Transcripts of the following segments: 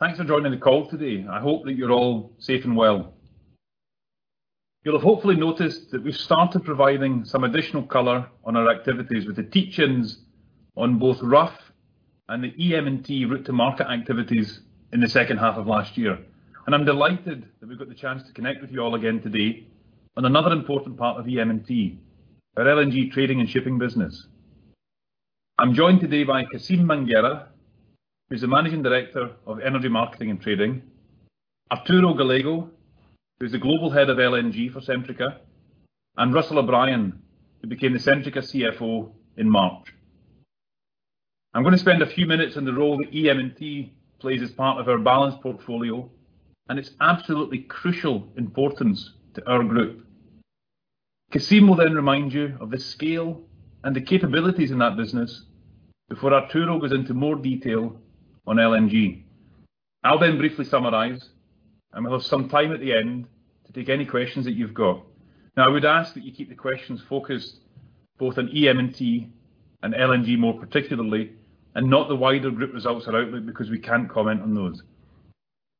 Thanks for joining the call today. I hope that you're all safe and well. You'll have hopefully noticed that we've started providing some additional color on our activities with the teach-ins on both Rough and the EM&T route to market activities in the second half of last year. I'm delighted that we've got the chance to connect with you all again today on another important part of EM&T, our LNG trading and shipping business. I'm joined today by Cassim Mangerah, who's the Managing Director of Energy Marketing and Trading. Arturo Gallego, who's the Global Head of LNG for Centrica, and Russell O'Brien, who became the Centrica CFO in March. I'm going to spend a few minutes on the role that EM&T plays as part of our balanced portfolio and its absolutely crucial importance to our group. Cassim will remind you of the scale and the capabilities in that business before Arturo goes into more detail on LNG. I'll then briefly summarize, and we'll have some time at the end to take any questions that you've got. Now, I would ask that you keep the questions focused both on EM&T and LNG more particularly, and not the wider group results or outlook, because we can't comment on those.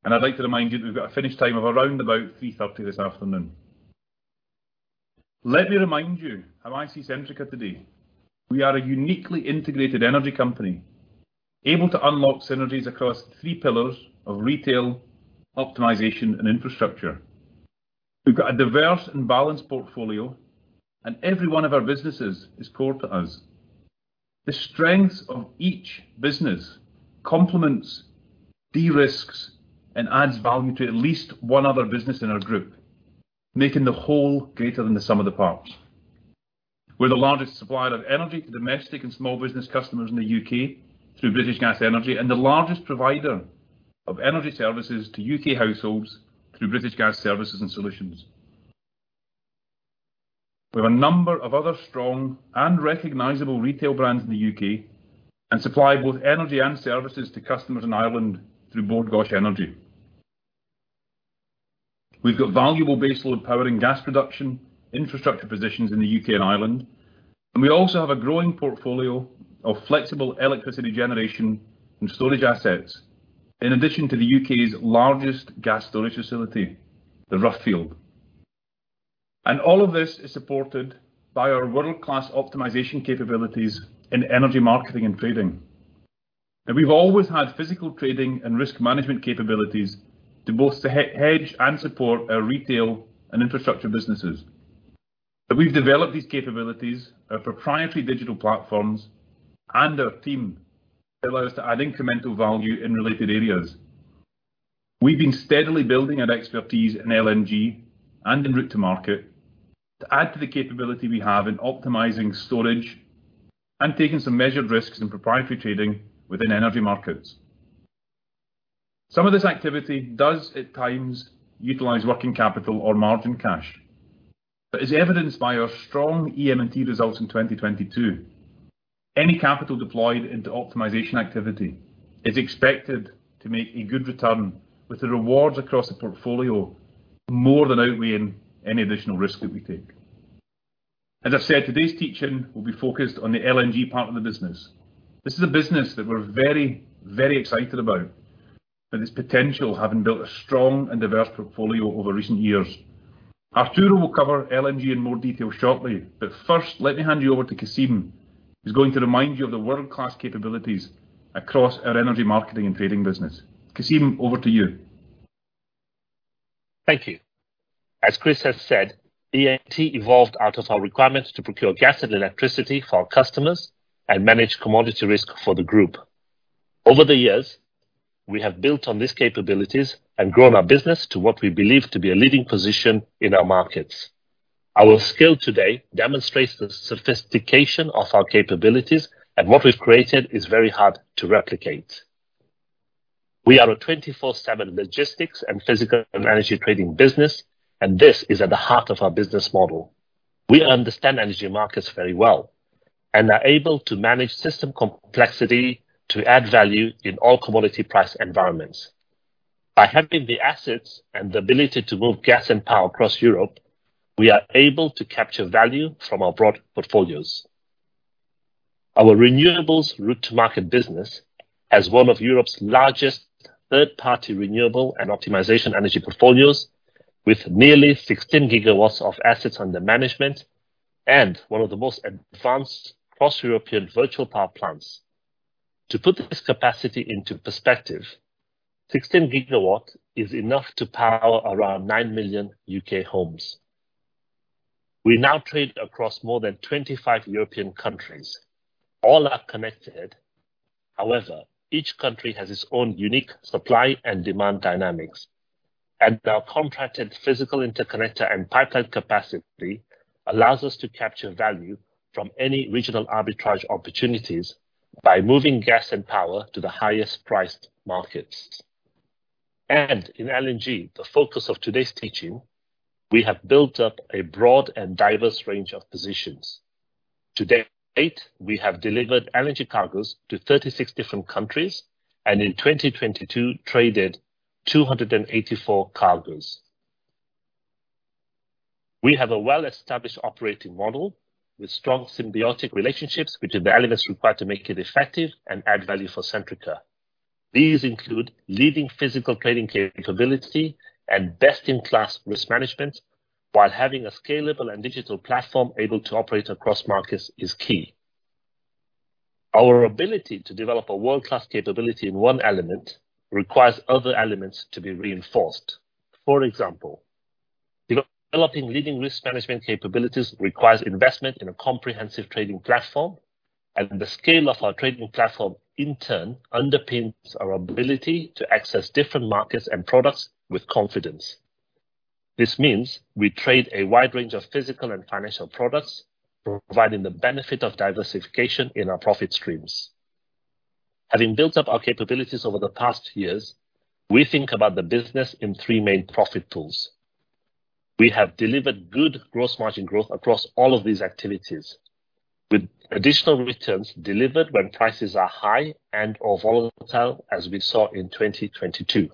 I'd like to remind you that we've got a finish time of around about 3:30 PM this afternoon. Let me remind you how I see Centrica today. We are a uniquely integrated energy company, able to unlock synergies across three pillars of retail, optimization, and infrastructure. We've got a diverse and balanced portfolio, and every one of our businesses is core to us. The strength of each business complements, de-risks, and adds value to at least one other business in our group, making the whole greater than the sum of the parts. We're the largest supplier of energy to domestic and small business customers in the U.K. through British Gas Energy, and the largest provider of energy services to U.K. households through British Gas Services and Solutions. We have a number of other strong and recognizable retail brands in the U.K. and supply both energy and services to customers in Ireland through Bord Gáis Energy. We've got valuable baseload power and gas production, infrastructure positions in the U.K. and Ireland, and we also have a growing portfolio of flexible electricity generation and storage assets, in addition to the U.K.'s largest gas storage facility, the Rough Field. All of this is supported by our world-class optimization capabilities in energy marketing and trading. We've always had physical trading and risk management capabilities to both hedge and support our retail and infrastructure businesses. We've developed these capabilities, our proprietary digital platforms and our team that allow us to add incremental value in related areas. We've been steadily building our expertise in LNG and in route to market to add to the capability we have in optimizing storage and taking some measured risks in proprietary trading within energy markets. Some of this activity does at times utilize working capital or margin cash. As evidenced by our strong EM&T results in 2022, any capital deployed into optimization activity is expected to make a good return with the rewards across the portfolio more than outweighing any additional risk that we take. As I said, today's teach-in will be focused on the LNG part of the business. This is a business that we're very, very excited about for this potential, having built a strong and diverse portfolio over recent years. Arturo will cover LNG in more detail shortly. First, let me hand you over to Cassim, who's going to remind you of the world-class capabilities across our Energy Marketing and Trading business. Cassim, over to you. Thank you. As Chris has said, EM&T evolved out of our requirement to procure gas and electricity for our customers and manage commodity risk for the group. Over the years, we have built on these capabilities and grown our business to what we believe to be a leading position in our markets. Our scale today demonstrates the sophistication of our capabilities, and what we've created is very hard to replicate. We are a 24/7 logistics and physical energy trading business, and this is at the heart of our business model. We understand energy markets very well and are able to manage system complexity to add value in all commodity price environments. By having the assets and the ability to move gas and power across Europe, we are able to capture value from our broad portfolios. Our renewables route to market business has one of Europe's largest third-party renewable and optimization energy portfolios, with nearly 16 GW of assets under management and one of the most advanced cross-European virtual power plants. To put this capacity into perspective, 16 GW is enough to power around 9 million U.K. homes. We now trade across more than 25 European countries. All are connected. However, each country has its own unique supply and demand dynamics. Our contracted physical interconnector and pipeline capacity allows us to capture value from any regional arbitrage opportunities by moving gas and power to the highest priced markets. In LNG, the focus of today's teaching, we have built up a broad and diverse range of positions. To date, we have delivered LNG cargos to 36 different countries, and in 2022, traded 284 cargos. We have a well-established operating model with strong symbiotic relationships, which are the elements required to make it effective and add value for Centrica. These include leading physical trading capability and best-in-class risk management, while having a scalable and digital platform able to operate across markets is key. Our ability to develop a world-class capability in one element requires other elements to be reinforced. For example, developing leading risk management capabilities requires investment in a comprehensive trading platform and the scale of our trading platform, in turn, underpins our ability to access different markets and products with confidence. This means we trade a wide range of physical and financial products, providing the benefit of diversification in our profit streams. Having built up our capabilities over the past years, we think about the business in three main profit pools. We have delivered good gross margin growth across all of these activities, with additional returns delivered when prices are high and or volatile, as we saw in 2022.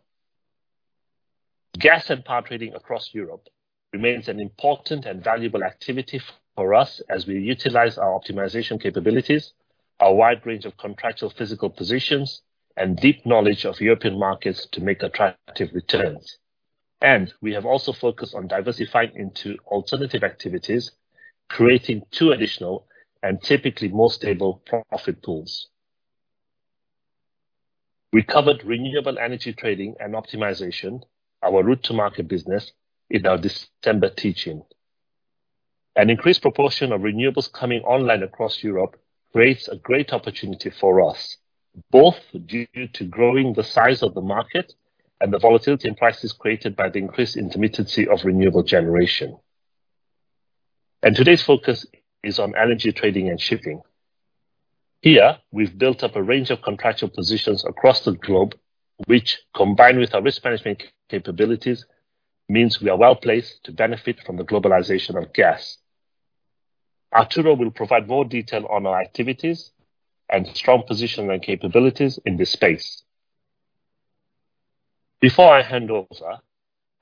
Gas and power trading across Europe remains an important and valuable activity for us as we utilize our optimization capabilities, our wide range of contractual physical positions, and deep knowledge of European markets to make attractive returns. We have also focused on diversifying into alternative activities, creating two additional and typically more stable profit pools. We covered renewable energy trading and optimization, our route to market business in our December teaching. An increased proportion of renewables coming online across Europe creates a great opportunity for us, both due to growing the size of the market and the volatility in prices created by the increased intermittency of renewable generation. Today's focus is on energy trading and shipping. Here, we've built up a range of contractual positions across the globe, which, combined with our risk management capabilities, means we are well-placed to benefit from the globalization of gas. Arturo will provide more detail on our activities and strong position and capabilities in this space. Before I hand over,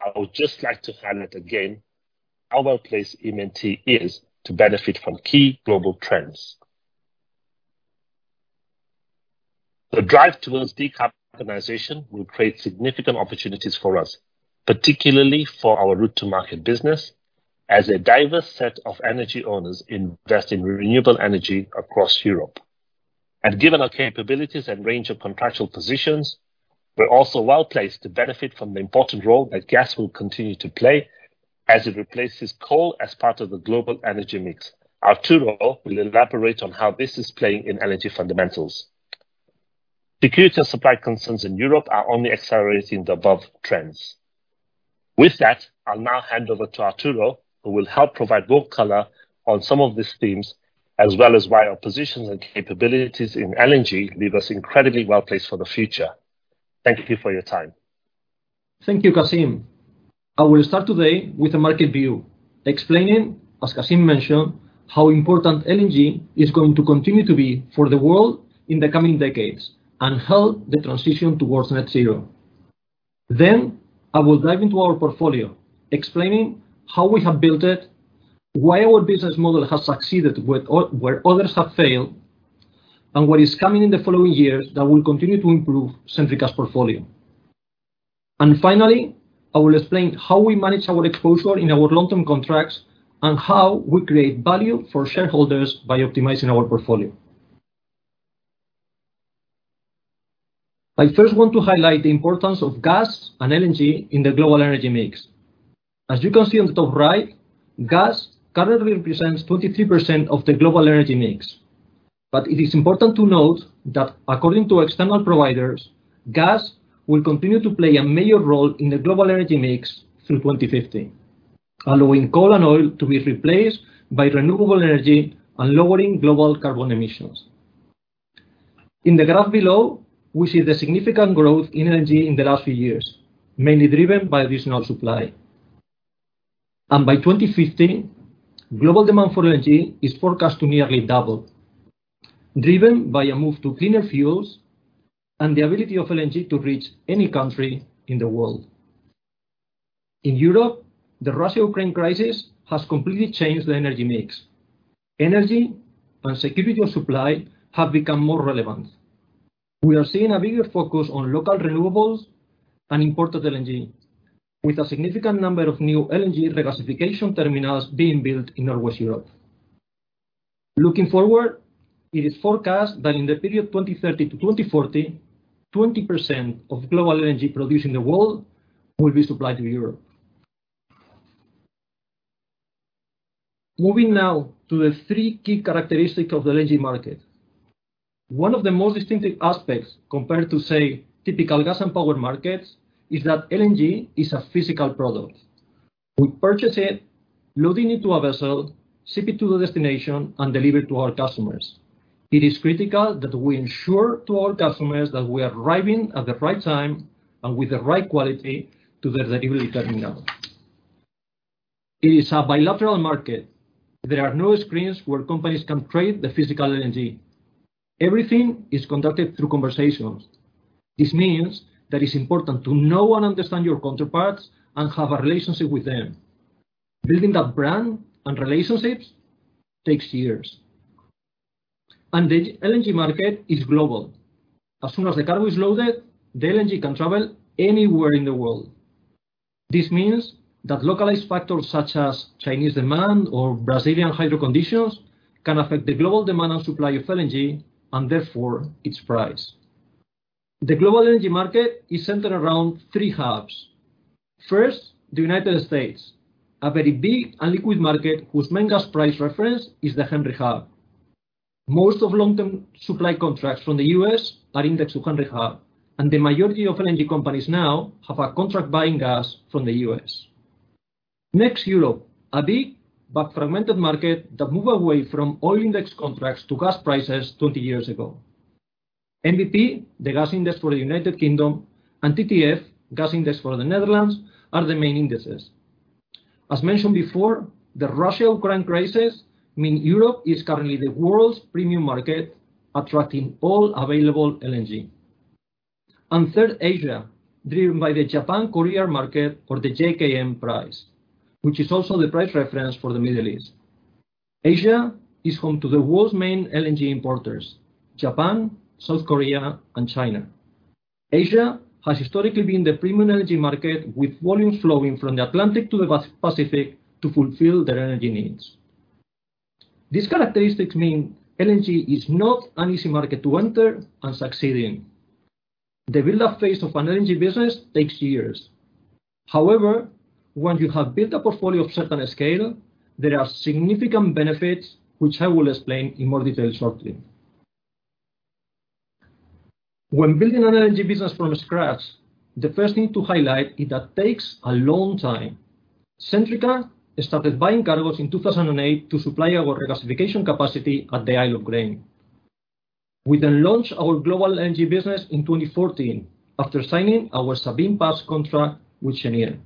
I would just like to highlight again how well-placed M&T is to benefit from key global trends. The drive towards decarbonization will create significant opportunities for us, particularly for our route to market business as a diverse set of energy owners invest in renewable energy across Europe. Given our capabilities and range of contractual positions, we're also well-placed to benefit from the important role that gas will continue to play as it replaces coal as part of the global energy mix. Arturo will elaborate on how this is playing in LNG fundamentals. Security and supply concerns in Europe are only accelerating the above trends. With that, I'll now hand over to Arturo, who will help provide more color on some of these themes, as well as why our positions and capabilities in LNG leave us incredibly well-placed for the future. Thank you for your time. Thank you, Cassim. I will start today with a market view, explaining, as Cassim mentioned, how important LNG is going to continue to be for the world in the coming decades and help the transition towards net zero. I will dive into our portfolio, explaining how we have built it, why our business model has succeeded where others have failed, and what is coming in the following years that will continue to improve Centrica's portfolio. Finally, I will explain how we manage our exposure in our long-term contracts and how we create value for shareholders by optimizing our portfolio. I first want to highlight the importance of gas and LNG in the Global Energy Mix. As you can see on the top right, gas currently represents 23% of the global energy mix. It is important to note that according to external providers, gas will continue to play a major role in the global energy mix through 2050, allowing coal and oil to be replaced by renewable energy and lowering global carbon emissions. In the graph below, we see the significant growth in energy in the last few years, mainly driven by additional supply. By 2050, global demand for LNG is forecast to nearly double, driven by a move to cleaner fuels and the ability of LNG to reach any country in the world. In Europe, the Russia-Ukraine crisis has completely changed the energy mix. Energy and security of supply have become more relevant. We are seeing a bigger focus on local renewables and imported LNG, with a significant number of new LNG regasification terminals being built in Northwest Europe. Looking forward, it is forecast that in the period 2030-2040, 20% of global LNG produced in the world will be supplied to Europe. Moving now to the three key characteristics of the LNG market. One of the most distinctive aspects compared to, say, typical gas and power markets is that LNG is a physical product. We purchase it, loading it to a vessel, ship it to the destination, and deliver to our customers. It is critical that we ensure to our customers that we are arriving at the right time and with the right quality to their delivery terminal. It is a bilateral market. There are no screens where companies can trade the physical LNG. Everything is conducted through conversations. This means that it's important to know and understand your counterparts and have a relationship with them. Building that brand and relationships takes years. The LNG market is global. As soon as the cargo is loaded, the LNG can travel anywhere in the world. This means that localized factors such as Chinese demand or Brazilian hydro conditions can affect the global demand and supply of LNG, and therefore, its price. The global LNG market is centered around three hubs. First, the United States, a very big and liquid market whose main gas price reference is the Henry Hub. Most of long-term supply contracts from the U.S. are indexed to Henry Hub, and the majority of LNG companies now have a contract buying gas from the U.S.. Next, Europe, a big but fragmented market that moved away from oil index contracts to gas prices 20 years ago. NBP, the gas index for the United Kingdom, and TTF, gas index for the Netherlands, are the main indexes. As mentioned before, the Russia-Ukraine crisis mean Europe is currently the world's premium market, attracting all available LNG. Third, Asia, driven by the Japan-Korea market or the JKM price, which is also the price reference for the Middle East. Asia is home to the world's main LNG importers, Japan, South Korea, and China. Asia has historically been the premium LNG market, with volumes flowing from the Atlantic to the Pacific to fulfill their energy needs. These characteristics mean LNG is not an easy market to enter and succeed in. The build-up phase of an LNG business takes years. However, once you have built a portfolio of certain scale, there are significant benefits, which I will explain in more detail shortly. When building an LNG business from scratch, the first thing to highlight is that takes a long time. Centrica started buying cargos in 2008 to supply our regasification capacity at the Isle of Grain. We launched our global LNG business in 2014 after signing our Sabine Pass contract with Cheniere.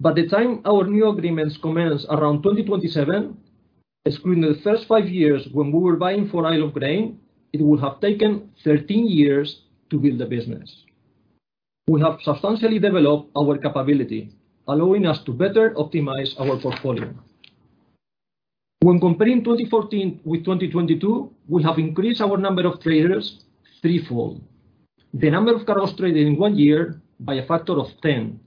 By the time our new agreements commence around 2027, excluding the first five years when we were buying for Isle of Grain, it would have taken 13 years to build the business. We have substantially developed our capability, allowing us to better optimize our portfolio. When comparing 2014 with 2022, we have increased our number of traders threefold, the number of cargos traded in one year by a factor of 10,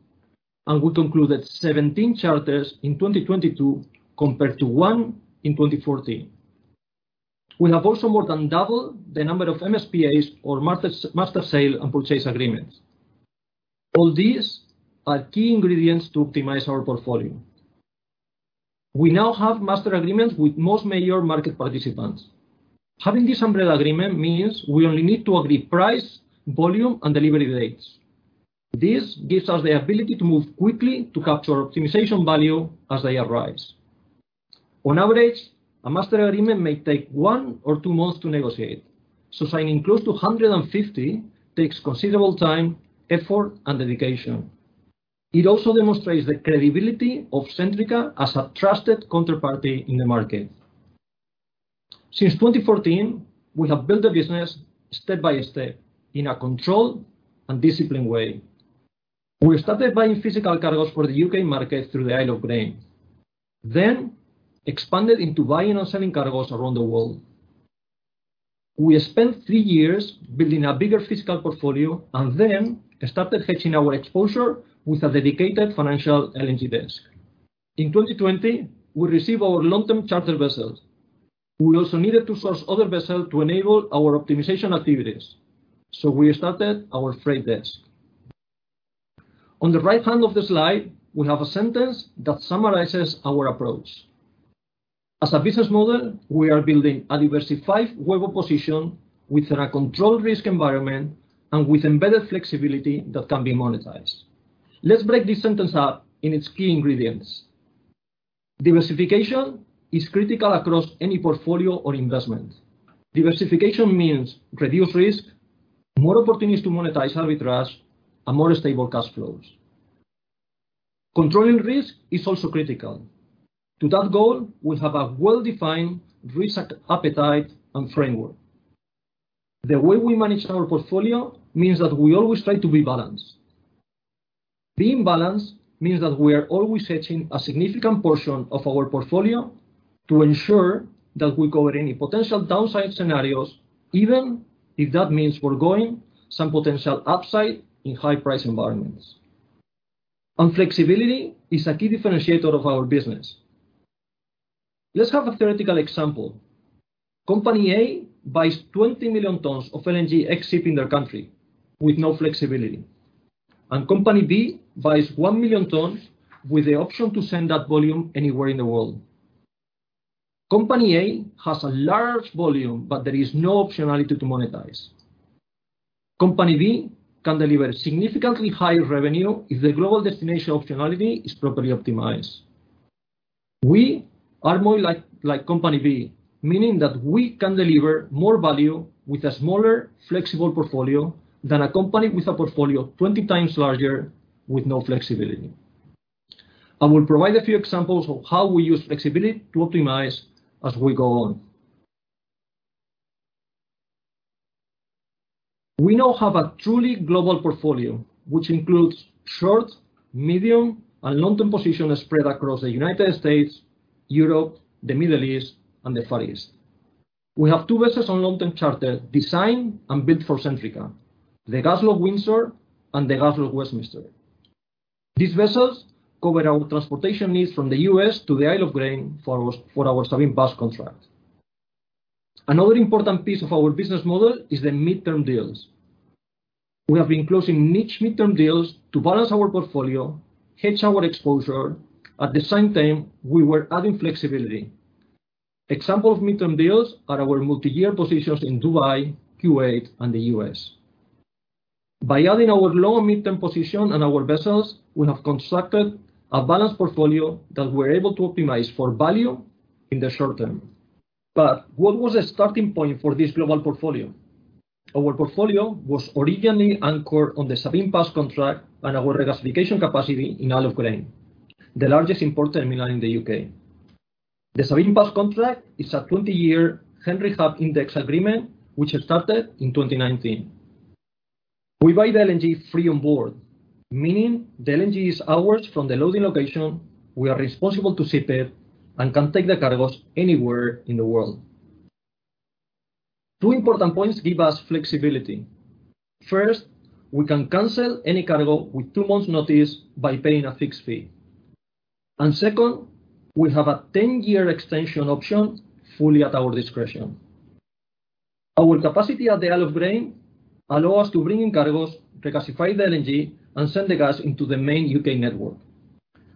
and we concluded 17 charters in 2022 compared to one in 2014. We have also more than doubled the number of MSPAs or master sale and purchase agreements. All these are key ingredients to optimize our portfolio. We now have Master agreements with most major market participants. Having this umbrella agreement means we only need to agree price, volume, and delivery dates. This gives us the ability to move quickly to capture optimization value as they arise. On average, a Master agreement may take one or two months to negotiate, signing close to 150 takes considerable time, effort, and dedication. It also demonstrates the credibility of Centrica as a trusted counterparty in the market. Since 2014, we have built the business step by step in a controlled and disciplined way. We started buying physical cargos for the U.K. market through the Isle of Grain, expanded into buying and selling cargos around the world. We spent three years building a bigger physical portfolio, started hedging our exposure with a dedicated financial LNG desk. In 2020, we received our long-term charter vessels. We also needed to source other vessels to enable our optimization activities, we started our freight desk. On the right hand of the slide, we have a sentence that summarizes our approach. As a business model, we are building a diversified global position within a controlled risk environment and with embedded flexibility that can be monetized. Let's break this sentence up in its key ingredients. Diversification is critical across any portfolio or investment. Diversification means reduced risk, more opportunities to monetize arbitrage, more stable cash flows. Controlling risk is also critical. To that goal, we have a well-defined risk appetite and framework. The way we manage our portfolio means that we always try to be balanced. Being balanced means that we are always hedging a significant portion of our portfolio to ensure that we cover any potential downside scenarios, even if that means foregoing some potential upside in high-price environments. Flexibility is a key differentiator of our business. Let's have a theoretical example. Company A buys 20 million tons of LNG ex-ship in their country with no flexibility. Company B buys 1 million tons with the option to send that volume anywhere in the world. Company A has a large volume, but there is no optionality to monetize. Company B can deliver significantly higher revenue if the global destination optionality is properly optimized. We are more like company B, meaning that we can deliver more value with a smaller flexible portfolio than a company with a portfolio 20x larger with no flexibility. I will provide a few examples of how we use flexibility to optimize as we go on. We now have a truly global portfolio, which includes short, medium, and long-term positions spread across the United States, Europe, the Middle East, and the Far East. We have two vessels on long-term charter designed and built for Centrica, the GasLog Windsor and the GasLog Westminster. These vessels cover our transportation needs from the U.S. to the Isle of Grain for our Sabine Pass contract. Another important piece of our business model is the midterm deals. We have been closing niche midterm deals to balance our portfolio, hedge our exposure. At the same time, we were adding flexibility. Example of midterm deals are our multi-year positions in Dubai, Kuwait, and the U.S. What was the starting point for this global portfolio? Our portfolio was originally anchored on the Sabine Pass contract and our regasification capacity in Isle of Grain, the largest import terminal in the U.K. The Sabine Pass contract is a 20-year Henry Hub Index agreement, which started in 2019. We buy the LNG free on board, meaning the LNG is ours from the loading location, we are responsible to ship it, and can take the cargoes anywhere in the world. Two important points give us flexibility. First, we can cancel any cargo with two months' notice by paying a fixed fee. Second, we have a 10-year extension option fully at our discretion. Our capacity at the Isle of Grain allow us to bring in cargoes, regasify the LNG, and send the gas into the main U.K. network.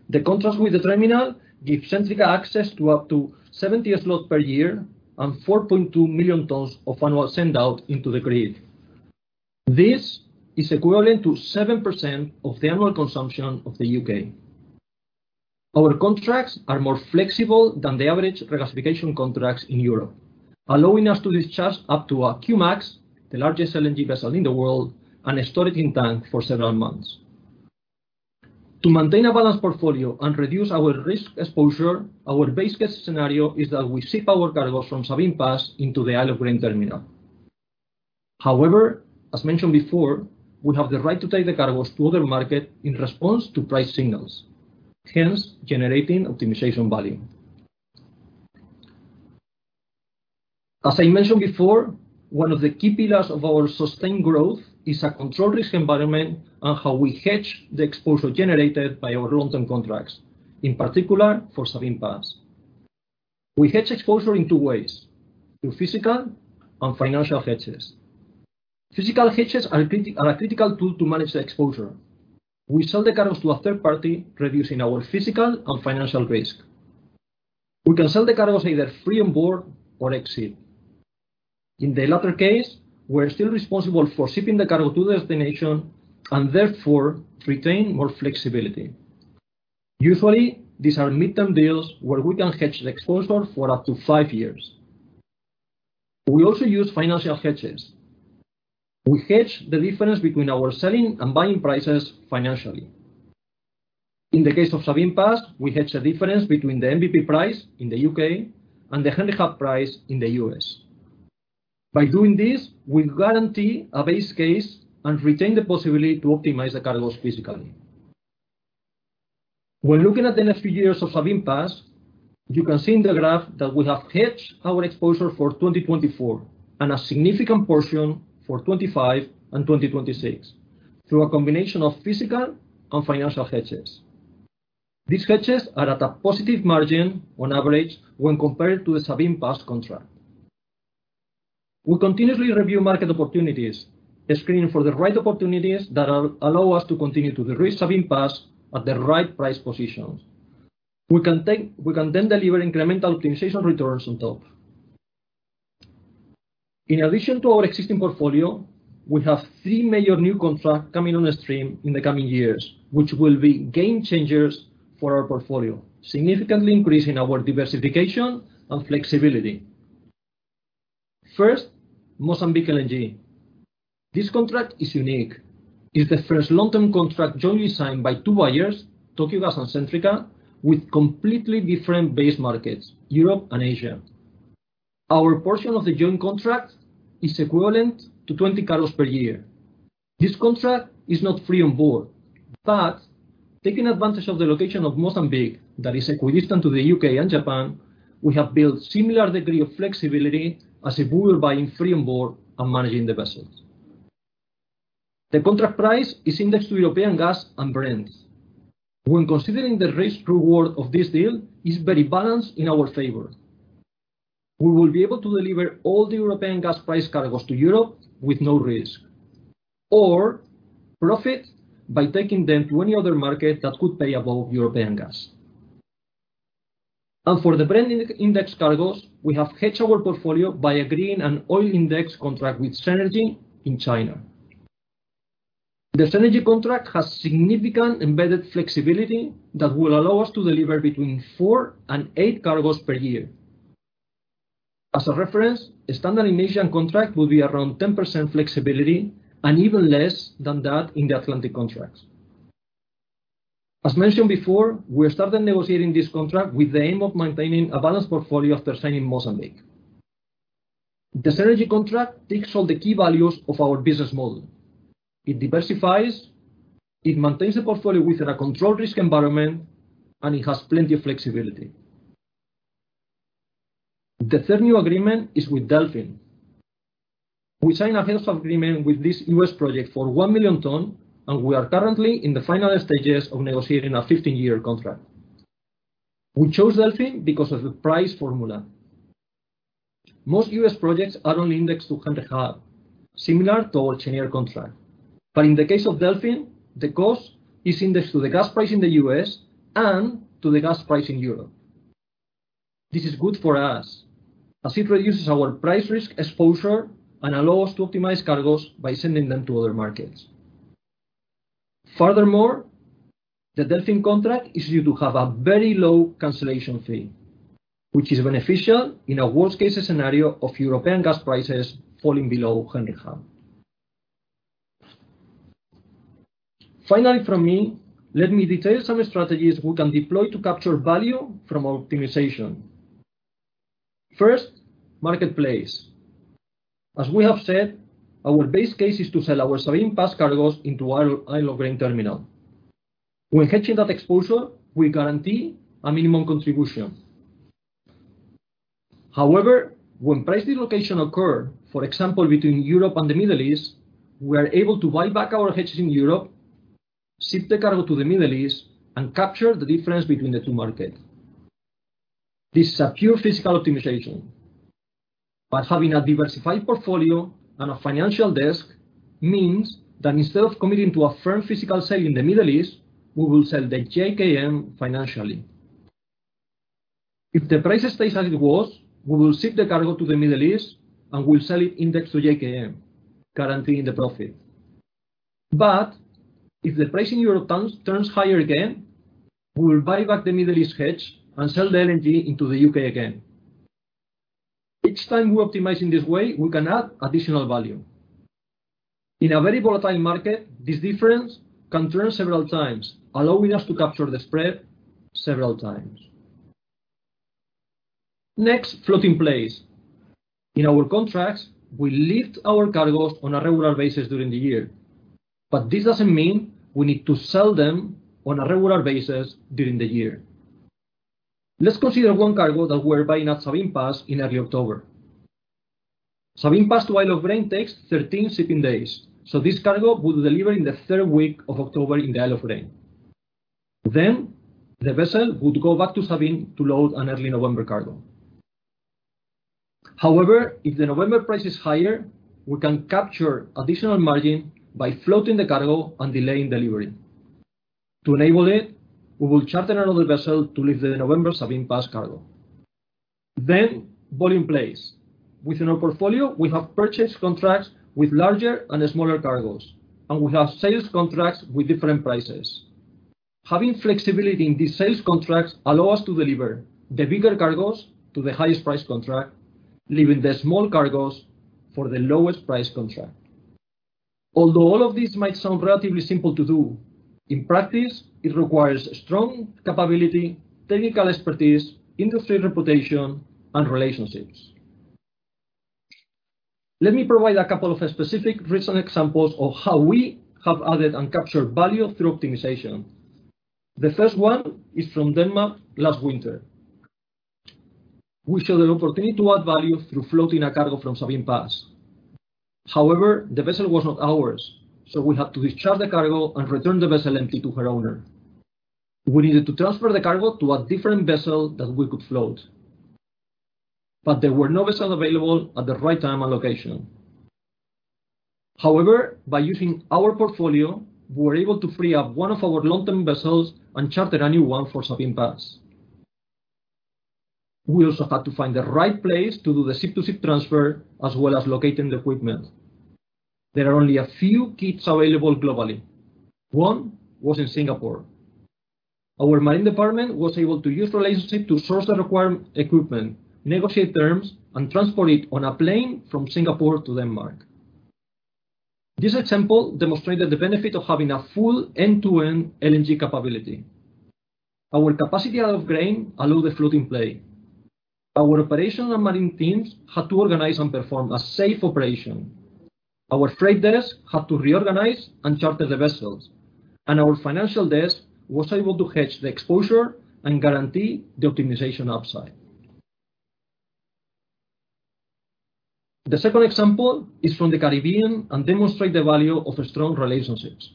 The contract with the terminal gives Centrica access to up to 70 slot per year and 4.2 million tons of annual send-out into the grid. This is equivalent to 7% of the annual consumption of the U.K. Our contracts are more flexible than the average regasification contracts in Europe, allowing us to discharge up to a Q-Max, the largest LNG vessel in the world, and store it in tank for several months. To maintain a balanced portfolio and reduce our risk exposure, our base case scenario is that we ship our cargoes from Sabine Pass into the Isle of Grain terminal. As mentioned before, we have the right to take the cargoes to other market in response to price signals, hence generating optimization value. As I mentioned before, one of the key pillars of our sustained growth is a controlled risk environment and how we hedge the exposure generated by our long-term contracts, in particular for Sabine Pass. We hedge exposure in two ways, through physical and financial hedges. Physical hedges are a critical tool to manage the exposure. We sell the cargoes to a third party, reducing our physical and financial risk. We can sell the cargoes either free on board or ex-ship. In the latter case, we're still responsible for shipping the cargo to the destination and therefore retain more flexibility. Usually, these are midterm deals where we can hedge the exposure for up to 5 years. We also use financial hedges. We hedge the difference between our selling and buying prices financially. In the case of Sabine Pass, we hedge the difference between the NBP price in the U.K. and the Henry Hub price in the U.S.. Doing this, we guarantee a base case and retain the possibility to optimize the cargoes physically. When looking at the next few years of Sabine Pass, you can see in the graph that we have hedged our exposure for 2024 and a significant portion for 2025 and 2026 through a combination of physical and financial hedges. These hedges are at a positive margin on average when compared to the Sabine Pass contract. We continuously review market opportunities, screening for the right opportunities allow us to continue to derisk Sabine Pass at the right price positions. We can deliver incremental optimization returns on top. In addition to our existing portfolio, we have three major new contracts coming on the stream in the coming years, which will be game changers for our portfolio, significantly increasing our diversification and flexibility. First, Mozambique LNG. This contract is unique. It's the first long-term contract jointly signed by two buyers, Tokyo Gas and Centrica, with completely different base markets, Europe and Asia. Our portion of the joint contract is equivalent to 20 cargoes per year. This contract is not free on board. Taking advantage of the location of Mozambique, that is equidistant to the U.K. and Japan, we have built similar degree of flexibility as if we were buying free on board and managing the vessels. The contract price is indexed to European gas and Brent. When considering the risk-reward of this deal, it's very balanced in our favor. We will be able to deliver all the European gas price cargoes to Europe with no risk or profit by taking them to any other market that could pay above European gas. For the Brent index cargoes, we have hedged our portfolio by agreeing an oil index contract with Shenergy in China. The Shenergy contract has significant embedded flexibility that will allow us to deliver between four and eight cargoes per year. As a reference, a standard Indonesian contract will be around 10% flexibility and even less than that in the Atlantic contracts. As mentioned before, we started negotiating this contract with the aim of maintaining a balanced portfolio after signing Mozambique. The Shenergy contract ticks all the key values of our business model. It diversifies, it maintains a portfolio within a controlled risk environment, and it has plenty of flexibility. The third new agreement is with Delfin. We signed a heads of agreement with this U.S. project for 1 million ton, we are currently in the final stages of negotiating a 15-year contract. We chose Delfin because of the price formula. Most U.S. projects are only indexed to Henry Hub, similar to our Cheniere contract. In the case of Delfin, the cost is indexed to the gas price in the U.S. and to the gas price in Europe. This is good for us as it reduces our price risk exposure and allows to optimize cargos by sending them to other markets. Furthermore, the Delfin contract is due to have a very low cancellation fee, which is beneficial in a worst-case scenario of European gas prices falling below Henry Hub. Finally from me, let me detail some strategies we can deploy to capture value from our optimization. First, marketplace. As we have said, our base case is to sell our Sabine Pass cargos into Isle of Grain terminal. When hedging that exposure, we guarantee a minimum contribution. However, when price dislocation occur, for example, between Europe and the Middle East, we are able to buy back our hedges in Europe, ship the cargo to the Middle East and capture the difference between the two markets. This is a pure physical optimization. Having a diversified portfolio and a financial desk means that instead of committing to a firm physical sale in the Middle East, we will sell the JKM financially. If the price stays as it was, we will ship the cargo to the Middle East, and we'll sell it index to JKM, guaranteeing the profit. If the price in Europe turns higher again, we will buy back the Middle East hedge and sell the LNG into the U.K. again. Each time we optimize in this way, we can add additional value. In a very volatile market, this difference can turn several times, allowing us to capture the spread several times. Floating plays. In our contracts, we lift our cargos on a regular basis during the year, but this doesn't mean we need to sell them on a regular basis during the year. Let's consider one cargo that we're buying at Sabine Pass in early October. Sabine Pass to Isle of Grain takes 13 shipping days, so this cargo would deliver in the third week of October in the Isle of Grain. The vessel would go back to Sabine to load an early November cargo. If the November price is higher, we can capture additional margin by floating the cargo and delaying delivery. To enable it, we will charter another vessel to lift the November Sabine Pass cargo. Volume plays. Within our portfolio, we have purchased contracts with larger and smaller cargos, and we have sales contracts with different prices. Having flexibility in these sales contracts allow us to deliver the bigger cargos to the highest price contract, leaving the small cargos for the lowest price contract. All of these might sound relatively simple to do, in practice, it requires strong capability, technical expertise, industry reputation, and relationships. Let me provide a couple of specific recent examples of how we have added and captured value through optimization. The first one is from Denmark last winter. We saw an opportunity to add value through floating a cargo from Sabine Pass. The vessel was not ours, so we had to discharge the cargo and return the vessel empty to her owner. We needed to transfer the cargo to a different vessel that we could float. There were no vessel available at the right time and location. By using our portfolio, we were able to free up one of our long-term vessels and charter a new one for Sabine Pass. We also had to find the right place to do the ship-to-ship transfer, as well as locating the equipment. There are only a few kits available globally. One was in Singapore. Our marine department was able to use the relationship to source the required equipment, negotiate terms, and transport it on a plane from Singapore to Denmark. This example demonstrated the benefit of having a full end-to-end LNG capability. Our capacity at Isle of Grain allowed the floating play. Our operational and marine teams had to organize and perform a safe operation. Our freight desk had to reorganize and charter the vessels. Our financial desk was able to hedge the exposure and guarantee the optimization upside. The second example is from the Caribbean and demonstrate the value of strong relationships.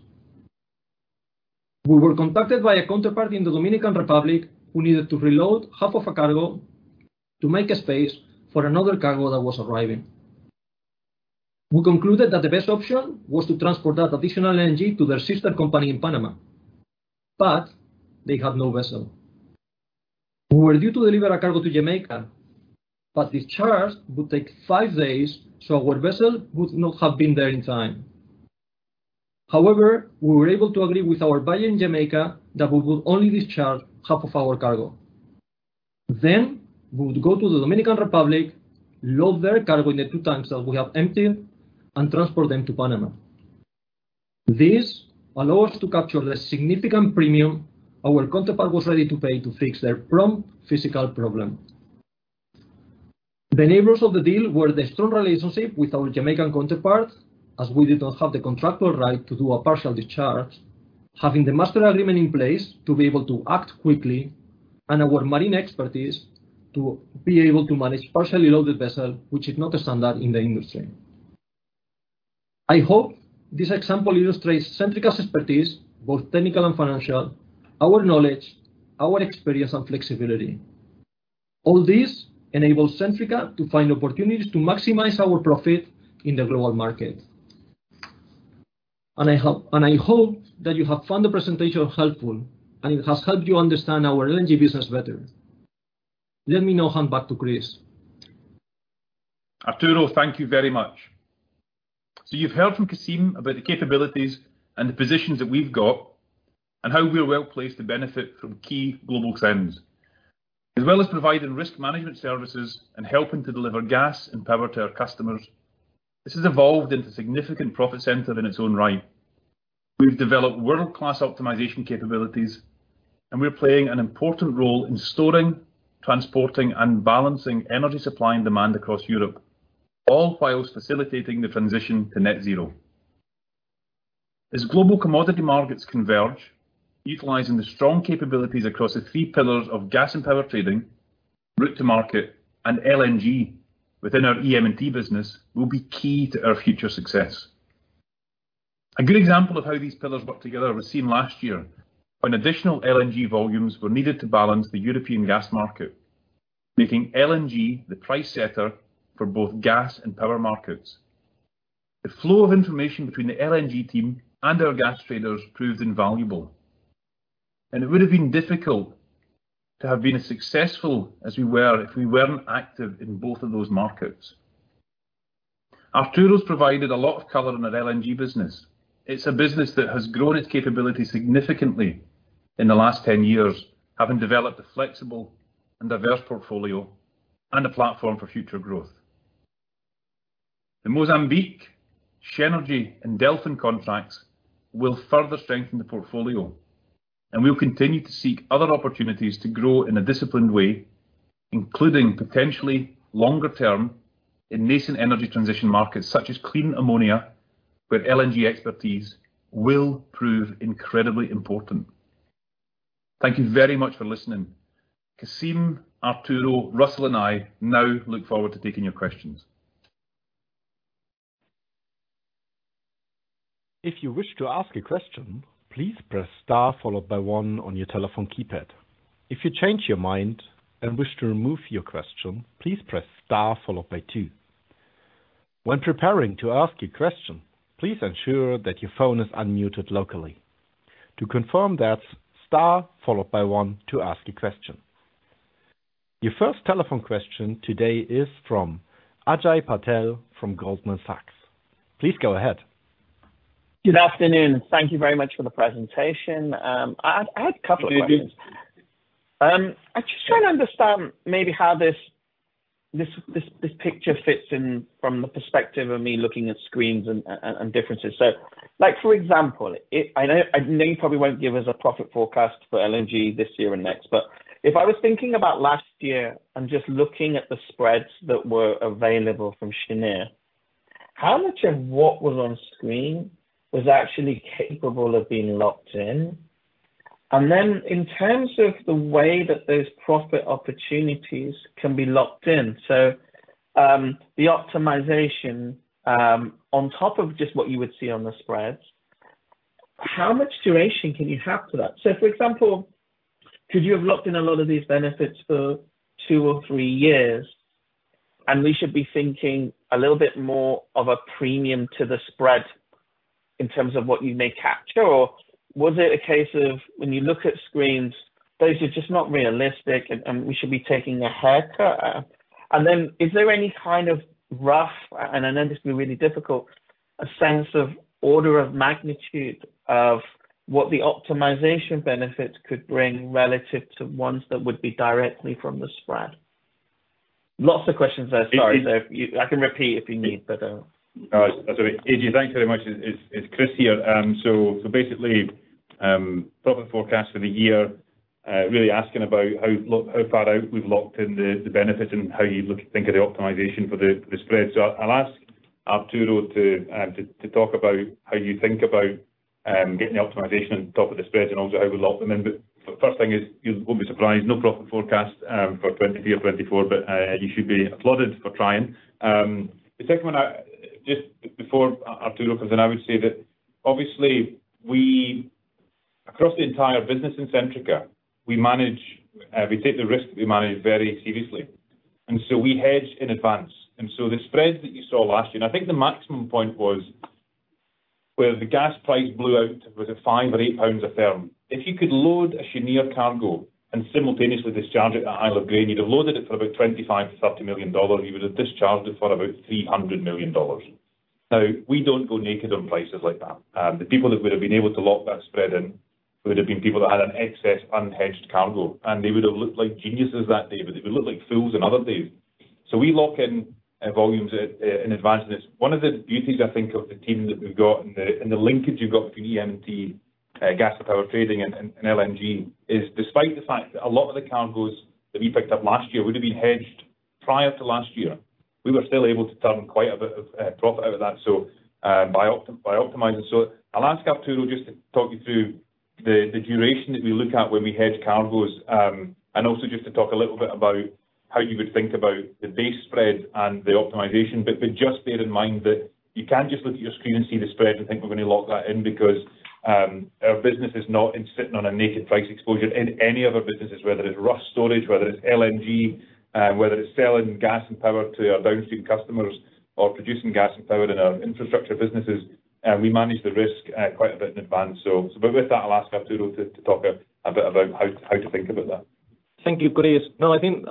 We were contacted by a counterparty in the Dominican Republic who needed to reload half of a cargo to make a space for another cargo that was arriving. We concluded that the best option was to transport that additional LNG to their sister company in Panama, but they had no vessel. We were due to deliver a cargo to Jamaica, but discharge would take five days, so our vessel would not have been there in time. However, we were able to agree with our buyer in Jamaica that we would only discharge half of our cargo. We would go to the Dominican Republic, load their cargo in the 2 tanks that we have emptied, and transport them to Panama. This allowed us to capture the significant premium our counterpart was ready to pay to fix their prompt physical problem. The neighbors of the deal were the strong relationship with our Jamaican counterpart, as we did not have the contractual right to do a partial discharge. Having the master agreement in place to be able to act quickly, and our marine expertise to be able to manage partially loaded vessel, which is not a standard in the industry. I hope this example illustrates Centrica's expertise, both technical and financial, our knowledge, our experience and flexibility. All this enables Centrica to find opportunities to maximize our profit in the global market. I hope that you have found the presentation helpful and it has helped you understand our LNG business better. Let me now hand back to Chris. Arturo, thank you very much. You've heard from Cassim about the capabilities and the positions that we've got and how we are well-placed to benefit from key global trends. As well as providing risk management services and helping to deliver gas and power to our customers, this has evolved into a significant profit center in its own right. We've developed world-class optimization capabilities, and we're playing an important role in storing, transporting, and balancing energy supply and demand across Europe, all whilst facilitating the transition to net zero. As global commodity markets converge, utilizing the strong capabilities across the three pillars of gas and power trading, route to market, and LNG within our EM&T business will be key to our future success. A good example of how these pillars work together was seen last year, when additional LNG volumes were needed to balance the European gas market, making LNG the price setter for both gas and power markets. The flow of information between the LNG team and our gas traders proved invaluable. It would have been difficult to have been as successful as we were if we weren't active in both of those markets. Arturo's provided a lot of color on our LNG business. It's a business that has grown its capability significantly in the last 10 years, having developed a flexible and diverse portfolio and a platform for future growth. The Mozambique, Shenergy, and Delfin contracts will further strengthen the portfolio, and we'll continue to seek other opportunities to grow in a disciplined way, including potentially longer term in nascent energy transition markets such as clean ammonia, where LNG expertise will prove incredibly important. Thank you very much for listening. Cassim, Arturo, Russell and I now look forward to taking your questions. If you wish to ask a question, please press star followed by one on your telephone keypad. If you change your mind and wish to remove your question, please press star followed by two. When preparing to ask a question, please ensure that your phone is unmuted locally. To confirm that's star followed by one to ask a question. Your first telephone question today is from Ajay Patel from Goldman Sachs. Please go ahead. Good afternoon. Thank you very much for the presentation. I had a couple of questions. Good evening. I'm just trying to understand maybe how this picture fits in from the perspective of me looking at screens and differences. Like, for example, I know, I know you probably won't give us a profit forecast for LNG this year and next, but if I was thinking about last year and just looking at the spreads that were available from Cheniere, how much of what was on screen was actually capable of being locked in? In terms of the way that those profit opportunities can be locked in, so, the optimization on top of just what you would see on the spreads, how much duration can you have for that? For example, could you have locked in a lot of these benefits for two or three years, and we should be thinking a little bit more of a premium to the spread in terms of what you may capture? Was it a case of when you look at screens, those are just not realistic and we should be taking a haircut? Then is there any kind of rough, and I know this will be really difficult, a sense of order of magnitude of what the optimization benefits could bring relative to ones that would be directly from the spread? Lots of questions there. Sorry. You, I can repeat if you need, but. All right. That's all right. Ajay, thanks very much. It's Chris here. Basically, profit forecast for the year, really asking about how far out we've locked in the benefit and how you look at, think of the optimization for the spread. I'll ask Arturo to talk about how you think about getting the optimization on top of the spread and also how we lock them in. First thing is, you won't be surprised, no profit forecast for 2023 or 2024, but you should be applauded for trying. The second one, just before Arturo comes in, I would say that obviously we, across the entire business in Centrica, we manage, we take the risk that we manage very seriously, we hedge in advance. The spread that you saw last year, and I think the maximum point was where the gas price blew out was at 5 or 8 pounds a firm. If you could load a Cheniere cargo and simultaneously discharge it at Isle of Grain, you'd have loaded it for about $25 million-$30 million, you would have discharged it for about $300 million. We don't go naked on prices like that. The people that would have been able to lock that spread in would have been people that had an excess unhedged cargo, and they would have looked like geniuses that day, but they would look like fools on other days. We lock in volumes in advance. It's one of the beauties I think of the team that we've got and the linkage you've got through E&T, gas to power trading and LNG, is despite the fact that a lot of the cargoes that we picked up last year would have been hedged prior to last year, we were still able to turn quite a bit of profit out of that, so by optimizing. I'll ask Arturo just to talk you through the duration that we look at when we hedge cargoes, and also just to talk a little bit about how you would think about the base spread and the optimization. Just bear in mind that you can't just look at your screen and see the spread and think we're gonna lock that in because our business is not in sitting on a naked price exposure in any of our businesses, whether it's Rough storage, whether it's LNG, whether it's selling gas and power to our downstream customers or producing gas and power in our infrastructure businesses. We manage the risk quite a bit in advance. With that, I'll ask Arturo to talk a bit about how to think about that. Thank you, Chris. No, I think,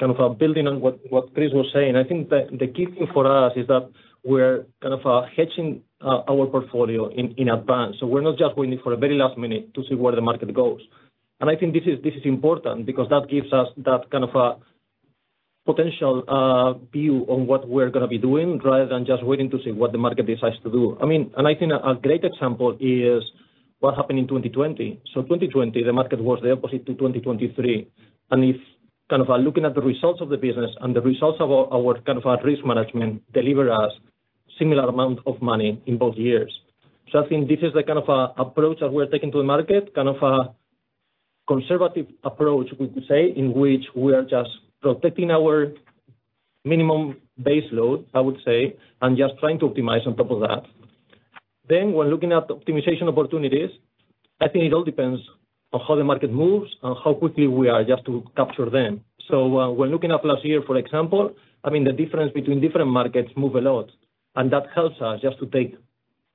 kind of, building on what Chris was saying, I think the key thing for us is that we're kind of, hedging our portfolio in advance. We're not just waiting for the very last minute to see where the market goes. I think this is, this is important because that gives us that kind of a potential, view on what we're gonna be doing rather than just waiting to see what the market decides to do. I mean, I think a great example is what happened in 2020. In 2020, the market was the opposite to 2023. If kind of, looking at the results of the business and the results of our kind of, risk management delivered us similar amount of money in both years. I think this is the kind of approach that we're taking to the market, kind of a conservative approach, we could say, in which we are just protecting our minimum base load, I would say, and just trying to optimize on top of that. When looking at optimization opportunities, I think it all depends on how the market moves and how quickly we are just to capture them. When looking at last year, for example, I mean, the difference between different markets move a lot, and that helps us just to take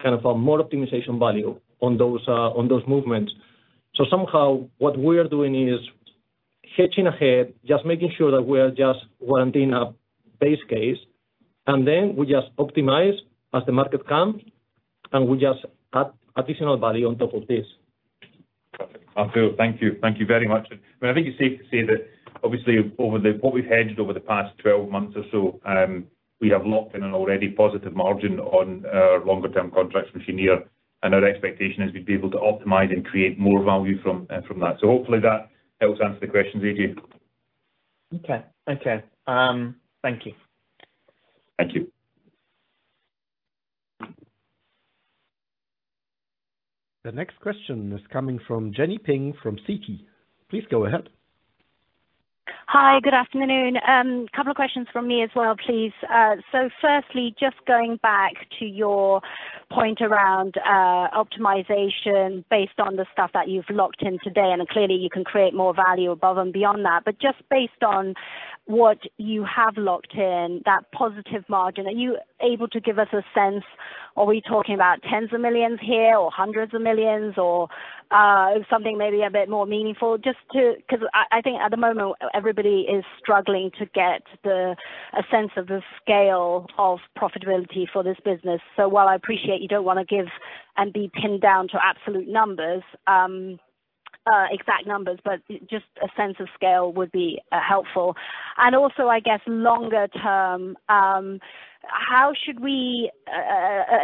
kind of a more optimization value on those on those movements. Somehow, what we are doing is hedging ahead, just making sure that we are just warranting a base case, and then we just optimize as the market comes, and we just add additional value on top of this. Perfect. Arturo, thank you. Thank you very much. I think it's safe to say that obviously What we've hedged over the past 12 months or so, we have locked in an already positive margin on our longer term contracts for Centrica. Our expectation is we'd be able to optimize and create more value from that. Hopefully that helps answer the questions, Ajay. Okay. Okay. Thank you. Thank you. The next question is coming from Jenny Ping from Citi. Please go ahead. Hi. Good afternoon. A couple of questions from me as well, please. Firstly, just going back to your point around optimization based on the stuff that you've locked in today, and clearly you can create more value above and beyond that. Just based on what you have locked in, that positive margin, are you able to give us a sense? Are we talking about tens of millions here or hundreds of millions or something maybe a bit more meaningful? 'Cause I think at the moment, everybody is struggling to get a sense of the scale of profitability for this business. While I appreciate you don't wanna give and be pinned down to absolute numbers, exact numbers, but just a sense of scale would be helpful. Also, I guess longer term, how should we,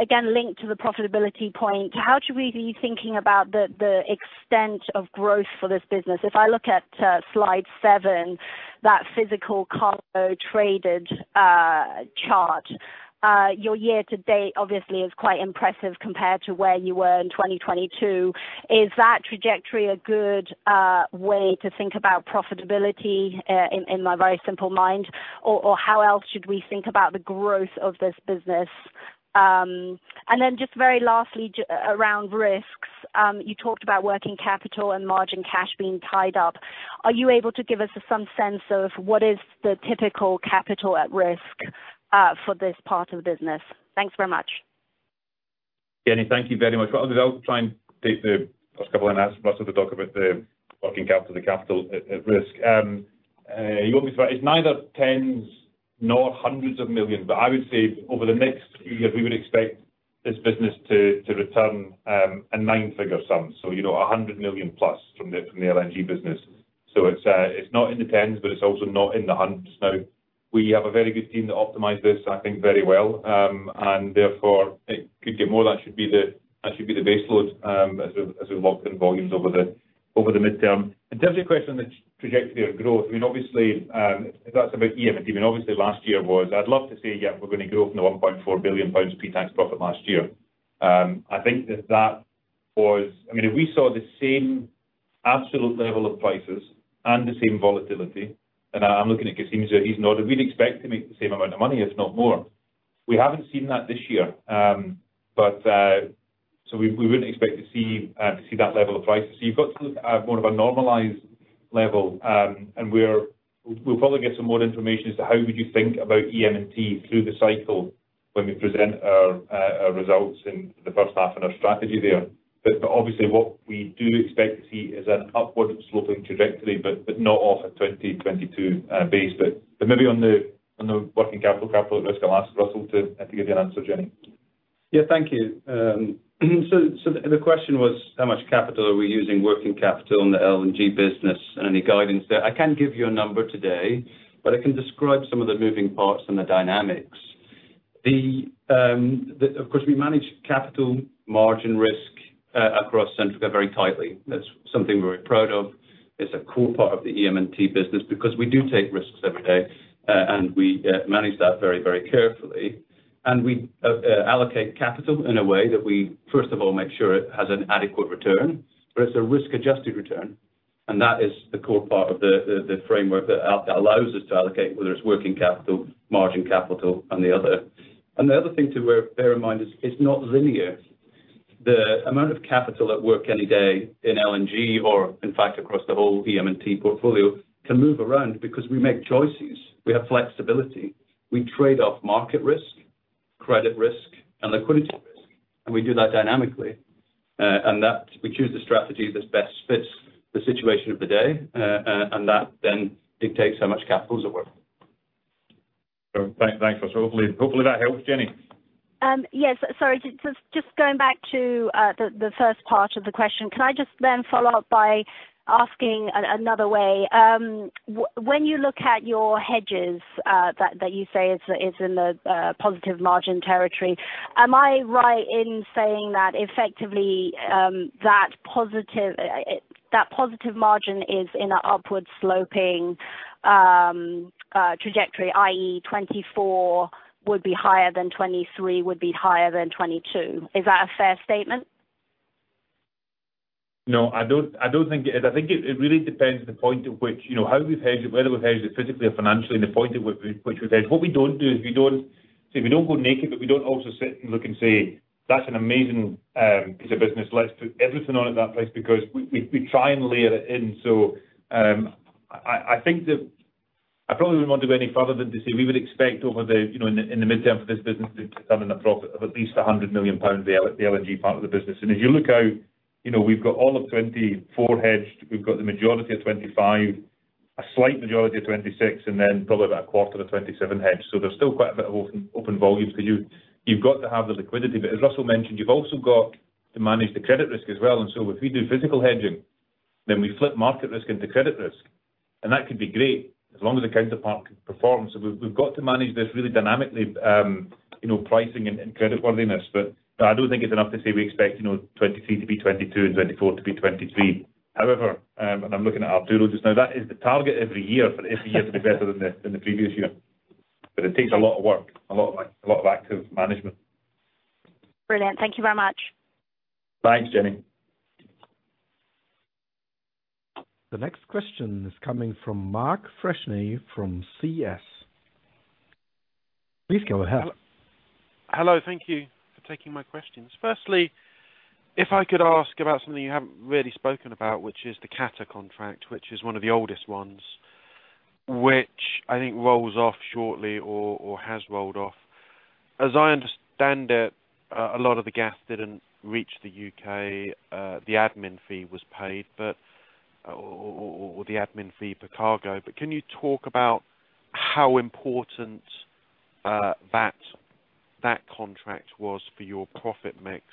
again, link to the profitability point? How should we be thinking about the extent of growth for this business? If I look at slide seven, that physical cargo traded chart, your year to date obviously is quite impressive compared to where you were in 2022. Is that trajectory a good way to think about profitability in my very simple mind? Or how else should we think about the growth of this business? Then just very lastly, around risks. You talked about working capital and margin cash being tied up. Are you able to give us some sense of what is the typical capital at risk for this part of the business? Thanks very much. Jenny, thank you very much. Well, I'll try and take the first couple and ask Russell to talk about the working capital, the capital at risk. You got me right. It's neither tens nor hundreds of millions. I would say over the next few years, we would expect this business to return a nine-figure sum. You know, 100 million plus from the LNG business. It's not in the tens, but it's also not in the hundreds. We have a very good team to optimize this, I think very well. And therefore it could get more. That should be the base load, as we lock in volumes over the midterm. In terms of your question on the trajectory of growth, I mean, obviously, if that's about EM&T, I mean, obviously last year was I'd love to say, yeah, we're gonna grow from the 1.4 billion pounds pre-tax profit last year. I think that that was. I mean, if we saw the same absolute level of prices and the same volatility, and I'm looking at Cassim here. He's nodding. We'd expect to make the same amount of money, if not more. We haven't seen that this year. So we wouldn't expect to see that level of prices. You've got to look at more of a normalized level. We'll probably get some more information as to how would you think about E&T through the cycle when we present our results in the first half and our strategy there. Obviously what we do expect to see is an upward sloping trajectory, not off a 2022 base. Maybe on the working capital at risk, I'll ask Russell to give you an answer, Jenny. Yeah. Thank you. The question was, how much capital are we using working capital in the LNG business and any guidance there? I can't give you a number today, but I can describe some of the moving parts and the dynamics. Of course, we manage capital margin risk across Centrica very tightly. That's something we're very proud of. It's a core part of the EM&T business because we do take risks every day. We manage that very, very carefully. We allocate capital in a way that we, first of all, make sure it has an adequate return, but it's a risk-adjusted return, and that is the core part of the framework that allows us to allocate, whether it's working capital, margin capital and the other. The other thing to bear in mind is it's not linear. The amount of capital at work any day in LNG or in fact across the whole EM&T portfolio can move around because we make choices. We have flexibility. We trade off market risk, credit risk, and liquidity risk, and we do that dynamically. That we choose the strategy that best fits the situation of the day. That then dictates how much capital is at work. Thanks. Hopefully that helps, Jenny. Yes. Sorry. Just going back to the first part of the question. Can I just then follow up by asking another way? When you look at your hedges, that you say is in the positive margin territory, am I right in saying that effectively, that positive margin is in an upward sloping trajectory, i.e., 24 would be higher than 23 would be higher than 22? Is that a fair statement? No, I don't think it is. I think it really depends on the point at which, you know, how we've hedged it, whether we've hedged it physically or financially, and the point at which we hedge. What we don't do is we don't go naked, but we don't also sit and look and say, "That's an amazing piece of business. Let's put everything on at that place," because we try and layer it in. I think I probably wouldn't want to go any further than to say we would expect over the, you know, in the, in the midterm for this business to be having a profit of at least 100 million pounds, the LNG part of the business. As you look out, you know, we've got all of 2024 hedged. We've got the majority of 25, a slight majority of 26, and then probably about a quarter of 27 hedged. There's still quite a bit of open volume. You've got to have the liquidity. As Russell mentioned, you've also got to manage the credit risk as well. If we do physical hedging, then we flip market risk into credit risk, and that can be great as long as the counterparty performs. We've got to manage this really dynamically, you know, pricing and creditworthiness. I don't think it's enough to say we expect, you know, 23 to be 22 and 24 to be 23. However, I'm looking at Arturo just now. That is the target every year for every year to be better than the previous year. It takes a lot of work, a lot of active management. Brilliant. Thank you very much. Thanks, Jenny. The next question is coming from Mark Freshney from CS. Please go ahead. Hello. Thank you for taking my questions. Firstly, if I could ask about something you haven't really spoken about, which is the Qatar contract, which is one of the oldest ones, which I think rolls off shortly or has rolled off. As I understand it, a lot of the gas didn't reach the U.K. The admin fee was paid, but or the admin fee per cargo. Can you talk about how important that contract was for your profit mix?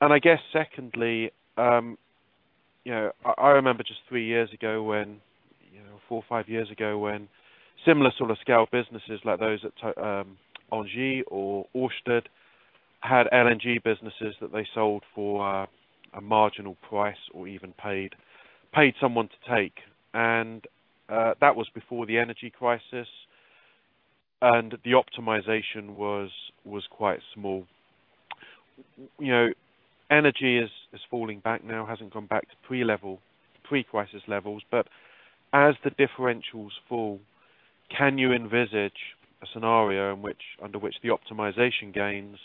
I guess secondly, you know, I remember just three years ago when, you know, four or five years ago when similar sort of scale businesses like those at ENGIE or Ørsted had LNG businesses that they sold for a marginal price or even paid someone to take. That was before the energy crisis, and the optimization was quite small. You know, energy is falling back now, hasn't gone back to pre-level, pre-crisis levels. As the differentials fall, can you envisage a scenario under which the optimization gains,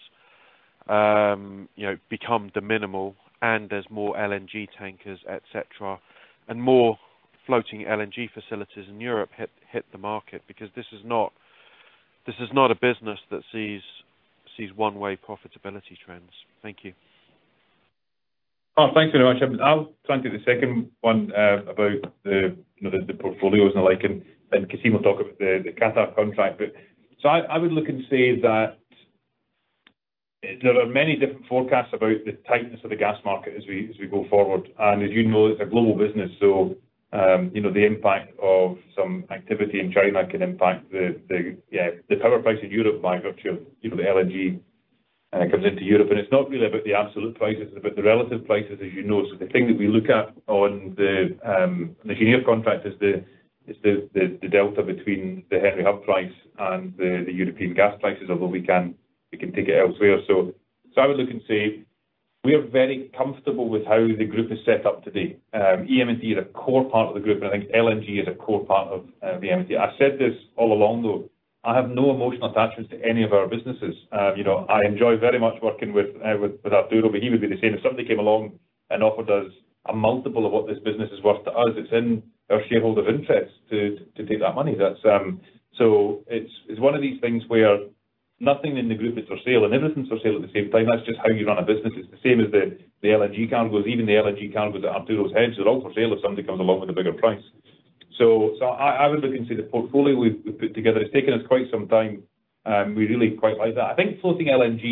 you know, become de minimis and there's more LNG tankers, etc., and more floating LNG facilities in Europe hit the market? This is not a business that sees one-way profitability trends. Thank you. Thanks very much. I'll try and do the second one about the, you know, the portfolios and the like, and Cassim will talk about the Qatar contract. I would look and say that there are many different forecasts about the tightness of the gas market as we go forward. As you know, it's a global business, so, you know, the impact of some activity in China can impact the, yeah, the power price in Europe by virtue of, you know, the LNG comes into Europe. It's not really about the absolute prices. It's about the relative prices as you know. The thing that we look at on the junior contract is the delta between the Henry Hub price and the European gas prices, although we can take it elsewhere. I would look and say we are very comfortable with how the group is set up today. EM&T is a core part of the group, and I think LNG is a core part of the EM&T. I've said this all along, though. I have no emotional attachment to any of our businesses. You know, I enjoy very much working with Arturo, but he would be the same. If somebody came along and offered us a multiple of what this business is worth to us, it's in our shareholder interest to take that money. That's, it's one of these things where nothing in the group is for sale and everything's for sale at the same time. That's just how you run a business. It's the same as the LNG cargos. Even the LNG cargos that Arturo's hedged are all for sale if somebody comes along with a bigger price. I would look into the portfolio we've put together. It's taken us quite some time, and we really quite like that. I think floating LNG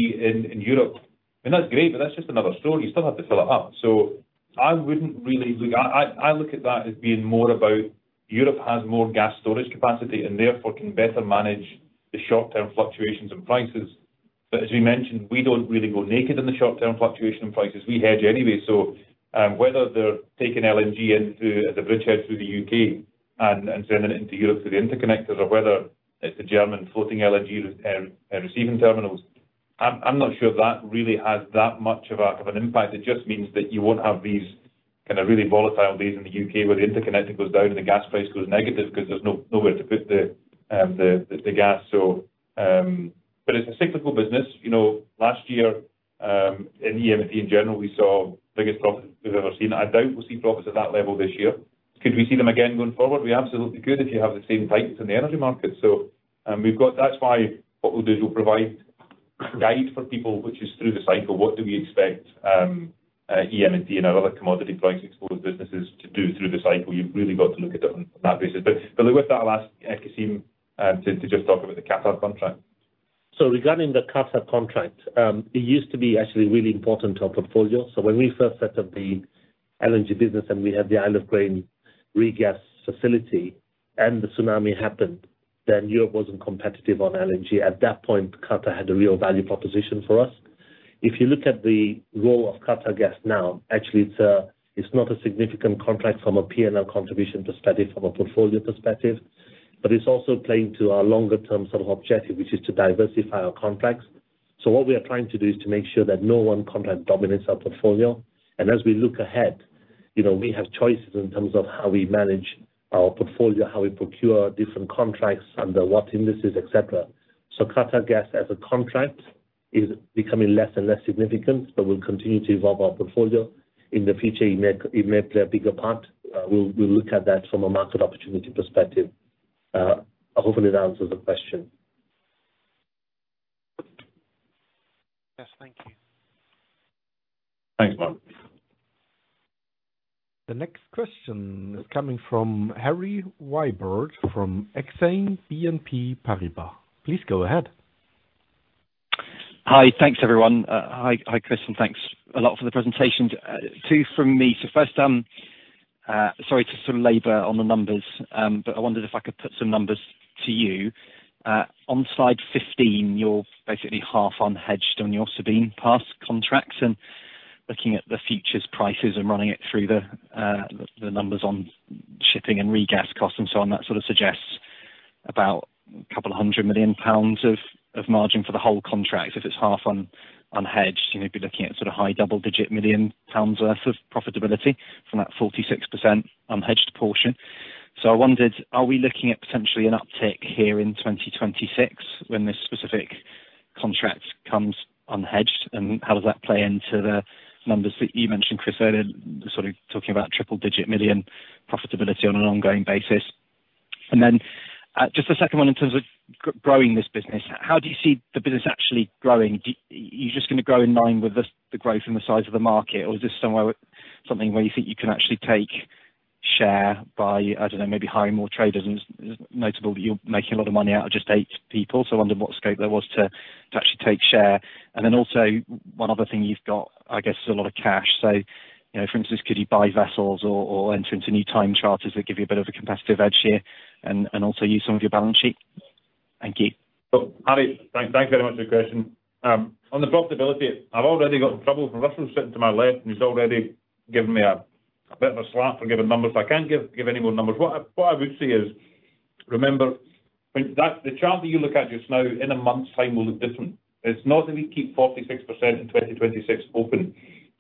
in Europe, I mean, that's great, but that's just another store. You still have to fill it up. I wouldn't really look at. I look at that as being more about Europe has more gas storage capacity and therefore can better manage the short-term fluctuations in prices. As we mentioned, we don't really go naked in the short-term fluctuation in prices. We hedge anyway. Whether they're taking LNG into the bridgehead through the U.K. and sending it into Europe through the interconnectors or whether it's a German floating LNG receiving terminals, I'm not sure that really has that much of an impact. It just means that you won't have these kind of really volatile days in the U.K. where the interconnect it goes down and the gas price goes negative because there's nowhere to put the gas. It's a cyclical business. You know, last year, in EM&T in general, we saw biggest profits we've ever seen. I doubt we'll see profits at that level this year. Could we see them again going forward? We absolutely could if you have the same tightness in the energy market. That's why what we'll do is we'll provide guide for people, which is through the cycle, what do we expect EM&T and our other commodity price exposed businesses to do through the cycle. You've really got to look at it on that basis. With that I'll ask Cassim to just talk about the Qatar contract. Regarding the Qatar contract, it used to be actually really important to our portfolio. When we first set up the LNG business and we had the Isle of Grain regas facility and the tsunami happened, then Europe wasn't competitive on LNG. At that point, Qatar had a real value proposition for us. If you look at the role of QatarEnergy LNG now, actually it's not a significant contract from a PNL contribution perspective, from a portfolio perspective, but it's also playing to our longer term sort of objective, which is to diversify our contracts. What we are trying to do is to make sure that no one contract dominates our portfolio. As we look ahead, you know, we have choices in terms of how we manage our portfolio, how we procure different contracts, under what indices, etc.. QatarEnergy LNG as a contract is becoming less and less significant. We'll continue to evolve our portfolio. In the future, it may play a bigger part. We'll look at that from a market opportunity perspective. Hopefully, that answers the question. Yes. Thank you. Thanks, Mark. The next question is coming from Harry Wyburd from Exane BNP Paribas. Please go ahead. Hi. Thanks, everyone. Hi, Chris, thanks a lot for the presentation. Two from me. First, sorry to sort of labor on the numbers, I wondered if I could put some numbers to you. On slide 15, you're basically half unhedged on your Sabine Pass contracts, looking at the futures prices and running it through the numbers on shipping and regas costs and so on, that sort of suggests about a couple of hundred million pounds of margin for the whole contract. If it's half unhedged, you know, be looking at sort of high double-digit million pounds worth of profitability from that 46% unhedged portion. I wondered, are we looking at potentially an uptick here in 2026 when this specific contract comes unhedged? How does that play into the numbers that you mentioned, Chris, earlier, sort of talking about triple digit million profitability on an ongoing basis? Just the second one in terms of growing this business, how do you see the business actually growing? Are you just gonna grow in line with the growth and the size of the market, or is this something where you think you can actually take share by, I don't know, maybe hiring more traders? It's notable that you're making a lot of money out of just eight people. I wondered what scope there was to actually take share. Also one other thing you've got, I guess, is a lot of cash. You know, for instance, could you buy vessels or enter into new time charters that give you a bit of a competitive edge here and also use some of your balance sheet? Thank you. Harry, thanks very much for the question. On the profitability, I've already got in trouble from Russell sitting to my left, and he's already given me a bit of a slap for giving numbers. I can't give any more numbers. What I would say is, remember, when the chart that you look at just now in a month's time will look different. It's not that we keep 46% in 2026 open,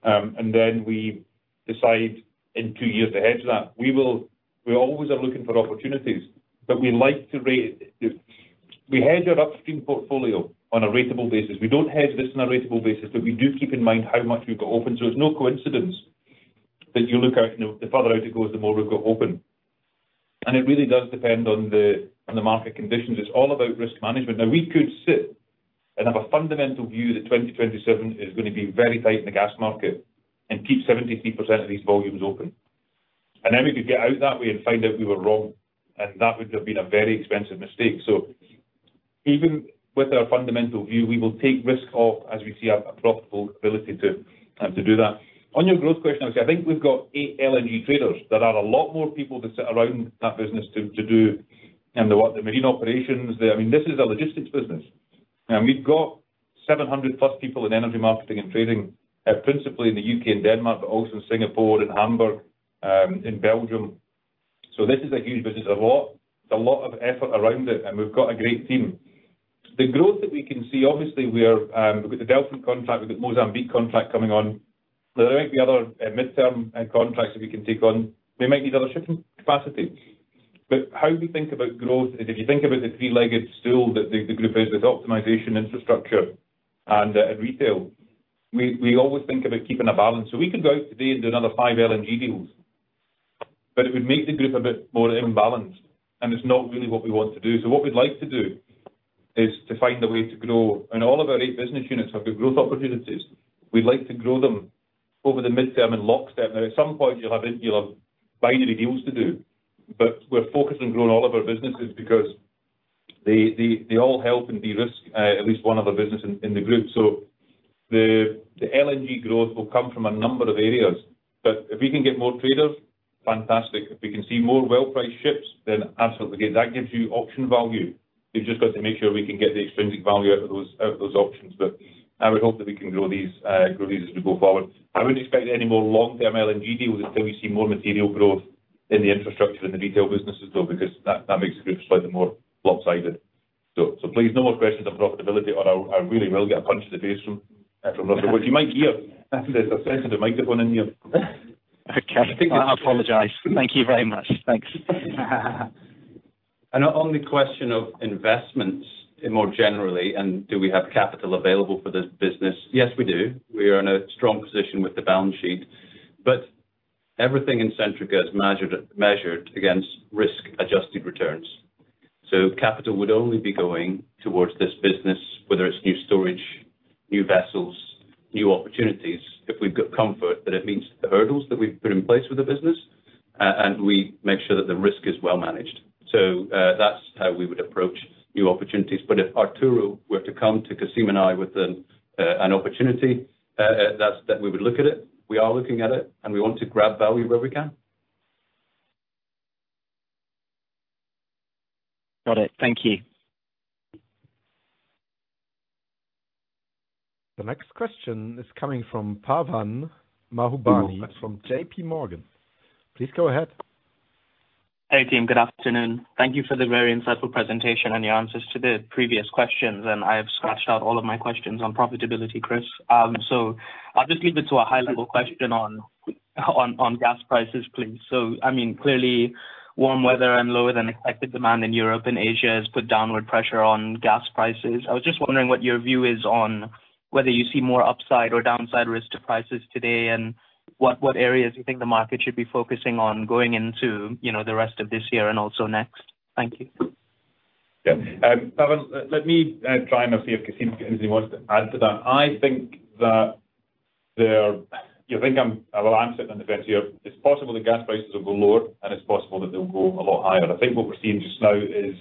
and then we decide in two years to hedge that. We always are looking for opportunities. But we like to We hedge our upstream portfolio on a rateable basis. We don't hedge this on a rateable basis, but we do keep in mind how much we've got open. It's no coincidence that you look out, you know, the further out it goes, the more we've got open. It really does depend on the market conditions. It's all about risk management. Now, we could sit and have a fundamental view that 2027 is gonna be very tight in the gas market and keep 73% of these volumes open. Then we could get out that way and find out we were wrong, and that would have been a very expensive mistake. Even with our fundamental view, we will take risk off as we see a profitable ability to do that. On your growth question, I think we've got eight LNG traders. There are a lot more people that sit around that business to do, you know, what? The marine operations. I mean, this is a logistics business. We've got 700+ people in Energy Marketing and Trading, principally in the U.K. and Denmark, but also in Singapore and Hamburg, in Belgium. This is a huge business. There's a lot, there's a lot of effort around it, and we've got a great team. The growth that we can see, obviously we're, we've got the Delfin contract, we've got Mozambique contract coming on. There might be other midterm contracts that we can take on. We might need other shipping capacity. How we think about growth is if you think about the three-legged stool that the group is, with optimization, infrastructure, and retail, we always think about keeping a balance. We could go out today and do another five LNG deals, but it would make the group a bit more imbalanced, and it's not really what we want to do. What we'd like to do is to find a way to grow. All of our eight business units have good growth opportunities. We'd like to grow them over the midterm in lockstep. At some point, you'll have it, you'll have binary deals to do, but we're focused on growing all of our businesses because they all help and de-risk at least one other business in the group. The LNG growth will come from a number of areas. If we can get more traders, fantastic. If we can see more well-priced ships, then absolutely. That gives you option value. We've just got to make sure we can get the extrinsic value out of those, out of those options. I would hope that we can grow these as we go forward. I wouldn't expect any more long-term LNG deals until we see more material growth in the infrastructure in the retail businesses though, because that makes groups like them more lopsided. Please, no more questions on profitability or I really will get a punch in the face from Russell, which you might hear. There's a sensitive microphone in here. Okay. I apologize. Thank you very much. Thanks. On the question of investments in more generally, do we have capital available for this business? Yes, we do. We are in a strong position with the balance sheet. Everything in Centrica is measured against risk-adjusted returns. Capital would only be going towards this business, whether it's new storage, new vessels, new opportunities, if we've got comfort that it meets the hurdles that we've put in place with the business, and we make sure that the risk is well managed. That's how we would approach new opportunities. If Arturo were to come to Cassim and I with an opportunity, we would look at it. We are looking at it, and we want to grab value where we can. Got it. Thank you. The next question is coming from Pavan Mahbubani from JPMorgan. Please go ahead. Hey, team. Good afternoon. Thank you for the very insightful presentation and your answers to the previous questions. I have scratched out all of my questions on profitability, Chris. I'll just leave it to a high-level question on gas prices, please. I mean, clearly, warm weather and lower than expected demand in Europe and Asia has put downward pressure on gas prices. I was just wondering what your view is on whether you see more upside or downside risk to prices today and what areas you think the market should be focusing on going into, you know, the rest of this year and also next. Thank you. Yeah. Pavan, let me try and then see if Cassim and Arturo wants to add to that. I think that Well, I'm sitting on the fence here. It's possible the gas prices will go lower, and it's possible that they'll go a lot higher. I think what we're seeing just now is,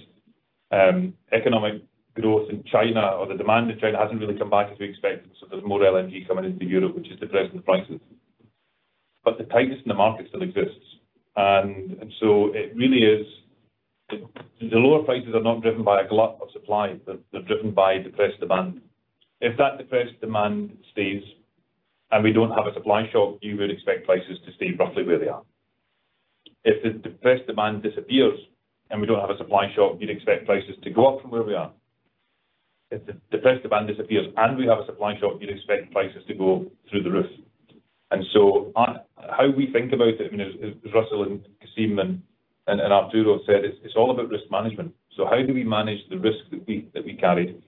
economic growth in China, or the demand in China hasn't really come back as we expected. There's more LNG coming into Europe, which is depressing the prices. The tightness in the market still exists. It really is the lower prices are not driven by a glut of supply, but they're driven by depressed demand. If that depressed demand stays and we don't have a supply shock, you would expect prices to stay roughly where they are. If the depressed demand disappears and we don't have a supply shock, you'd expect prices to go up from where we are. If the depressed demand disappears and we have a supply shock, you'd expect prices to go through the roof. On how we think about it, and as Russell and Cassim and Arturo said, it's all about risk management. How do we manage the risk that we carry?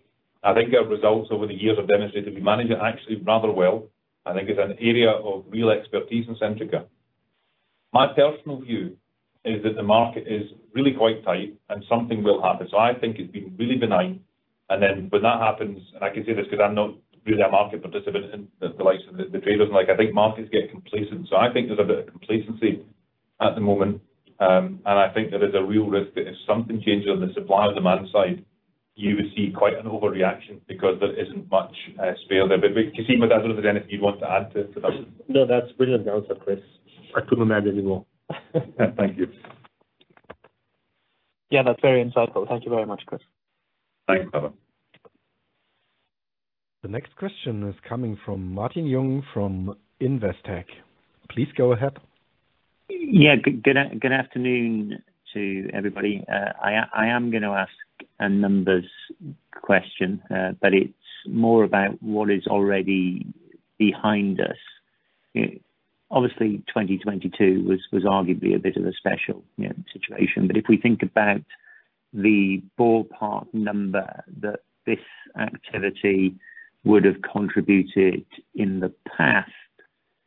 I think our results over the years have demonstrated we manage it actually rather well. I think it's an area of real expertise in Centrica. My personal view is that the market is really quite tight and something will happen. I think it's been really benign. When that happens, I can say this 'cause I'm not really a market participant in the likes of the traders and like, I think markets get complacent. I think there's a bit of complacency at the moment. I think there is a real risk that if something changes on the supply or demand side, you would see quite an overreaction because there isn't much spare there. Cassim, I don't know if you want to add to that. No, that's a brilliant answer, Chris. I couldn't imagine anymore. Thank you. Yeah. That's very insightful. Thank you very much, Chris. Thanks, Pavan. The next question is coming from Martin Young from Investec. Please go ahead. Yeah. Good afternoon to everybody. I am gonna ask a numbers question, but it's more about what is already behind us. Obviously, 2022 was arguably a bit of a special, you know, situation. If we think about the ballpark number that this activity would have contributed in the past,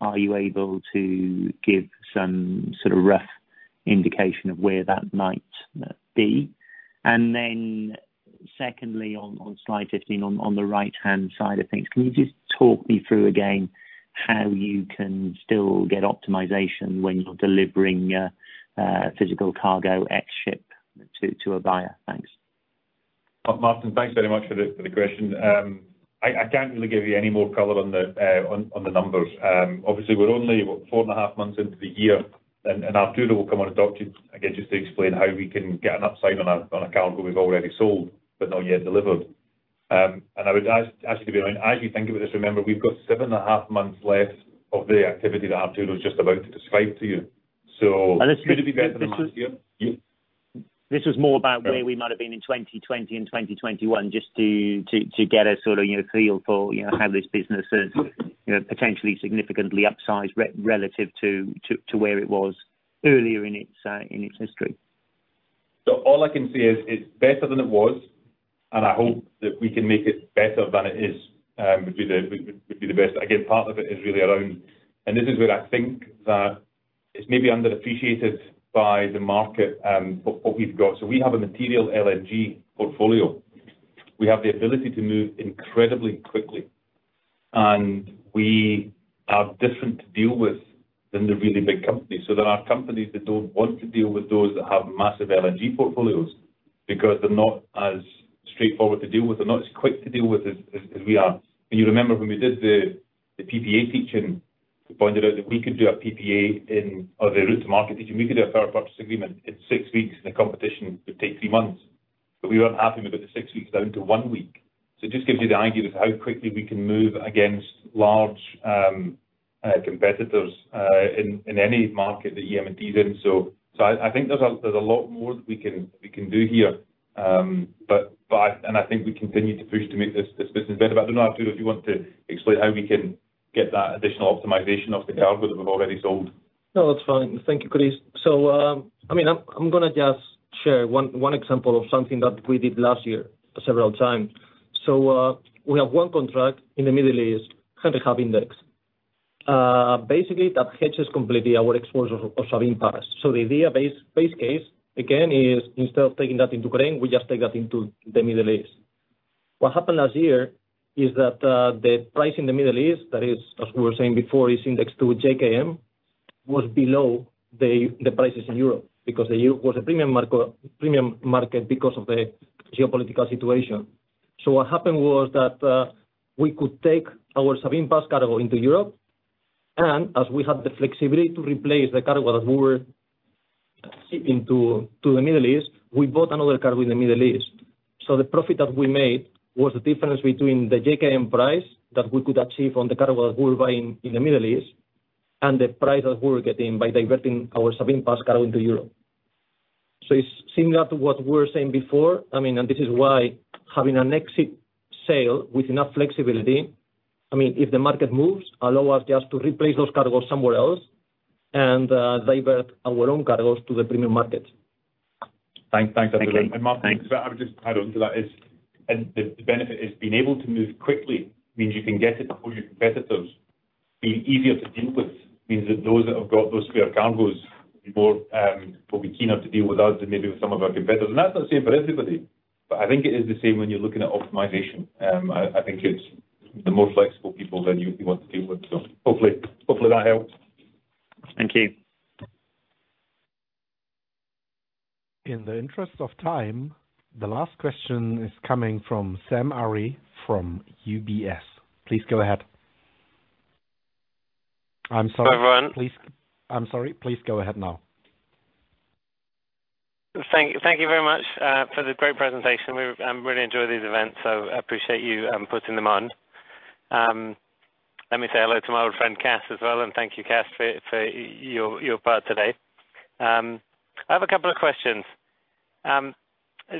are you able to give some sort of rough indication of where that might be? Secondly, on slide 15, on the right-hand side of things, can you just talk me through again how you can still get optimization when you're delivering physical cargo ex-ship to a buyer? Thanks. Martin, thanks very much for the question. I can't really give you any more color on the numbers. Obviously, we're only, what? Four and a half months into the year. Arturo will come on and talk to you again, just to explain how we can get an upside on a cargo we've already sold but not yet delivered. I would ask you to be around. As you think about this, remember, we've got seven and a half months left of the activity that Arturo was just about to describe to you. This was. Could it be better than last year? Yeah. This was more about where we might have been in 2020 and 2021 just to get a sort of a feel for, you know, how this business is, you know, potentially significantly upsized relative to where it was earlier in its history. All I can say is it's better than it was, and I hope that we can make it better than it is. would be the best. Again, part of it is really around. This is where I think that it's maybe underappreciated by the market, but what we've got. We have a material LNG portfolio. We have the ability to move incredibly quickly, and we are different to deal with than the really big companies. There are companies that don't want to deal with those that have massive LNG portfolios because they're not as straightforward to deal with. They're not as quick to deal with as we are. You remember when we did the PPA teaching, we pointed out that we could do a PPA in or the route to market teaching. We could do a power purchase agreement in six weeks, and the competition would take three months. We weren't happy about the six weeks down to one week. It just gives you the idea of how quickly we can move against large competitors in any market that EM&T's in. I think there's a lot more that we can do here. I think we continue to push to make this business better. I don't know, Arturo, if you want to explain how we can get that additional optimization of the cargo that we've already sold. No, that's fine. Thank you, Chris. I mean, I'm gonna just share one example of something that we did last year several times. We have one contract in the Middle East, kind of have index. Basically, that hedges completely our exports of Sabine Pass. The idea base case again is instead of taking that into Ukraine, we just take that into the Middle East. What happened last year is that the price in the Middle East, that is, as we were saying before, is indexed to JKM, was below the prices in Europe because the U... was a premium market because of the geopolitical situation. What happened was that, we could take our Sabine Pass cargo into Europe, and as we have the flexibility to replace the cargo that we were shipping to the Middle East, we bought another cargo in the Middle East. The profit that we made was the difference between the JKM price that we could achieve on the cargo that we were buying in the Middle East and the price that we were getting by diverting our Sabine Pass cargo into Europe. It's similar to what we were saying before. I mean, this is why having an exit sale with enough flexibility, I mean, if the market moves, allow us just to replace those cargoes somewhere else and divert our own cargoes to the premium markets. Thanks. Thanks, Arturo. Thank you. Thanks. Mark, I would just add on to that is, and the benefit is being able to move quickly means you can get it before your competitors. Being easier to deal with means that those that have got those square cargoes will be keener to deal with us than maybe with some of our competitors. That's not same for everybody, but I think it is the same when you're looking at optimization. I think it's the more flexible people than you want to deal with. Hopefully, that helps. Thank you. In the interest of time, the last question is coming from Sam Arie from UBS. Please go ahead. Hi, everyone. I'm sorry. Please go ahead now. Thank you very much for the great presentation. We really enjoy these events, appreciate you putting them on. Let me say hello to my old friend, Cass, as well, and thank you, Cass, for your part today. I have a couple of questions.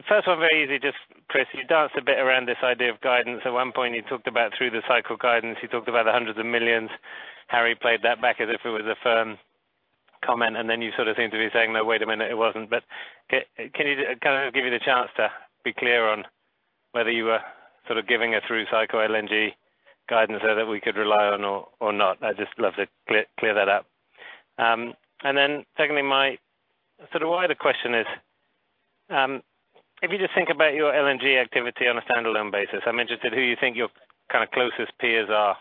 First one very easy. Just Chris, you danced a bit around this idea of guidance. At one point you talked about through the cycle guidance, you talked about the hundreds of millions. Harry played that back as if it was a firm comment, you sort of seemed to be saying, "No, wait a minute, it wasn't." Can you kind of give you the chance to be clear on whether you were sort of giving a through cycle LNG guidance there that we could rely on or not? I'd just love to clear that up. Secondly, my sort of wider question is, if you just think about your LNG activity on a standalone basis, I'm interested who you think your kind of closest peers are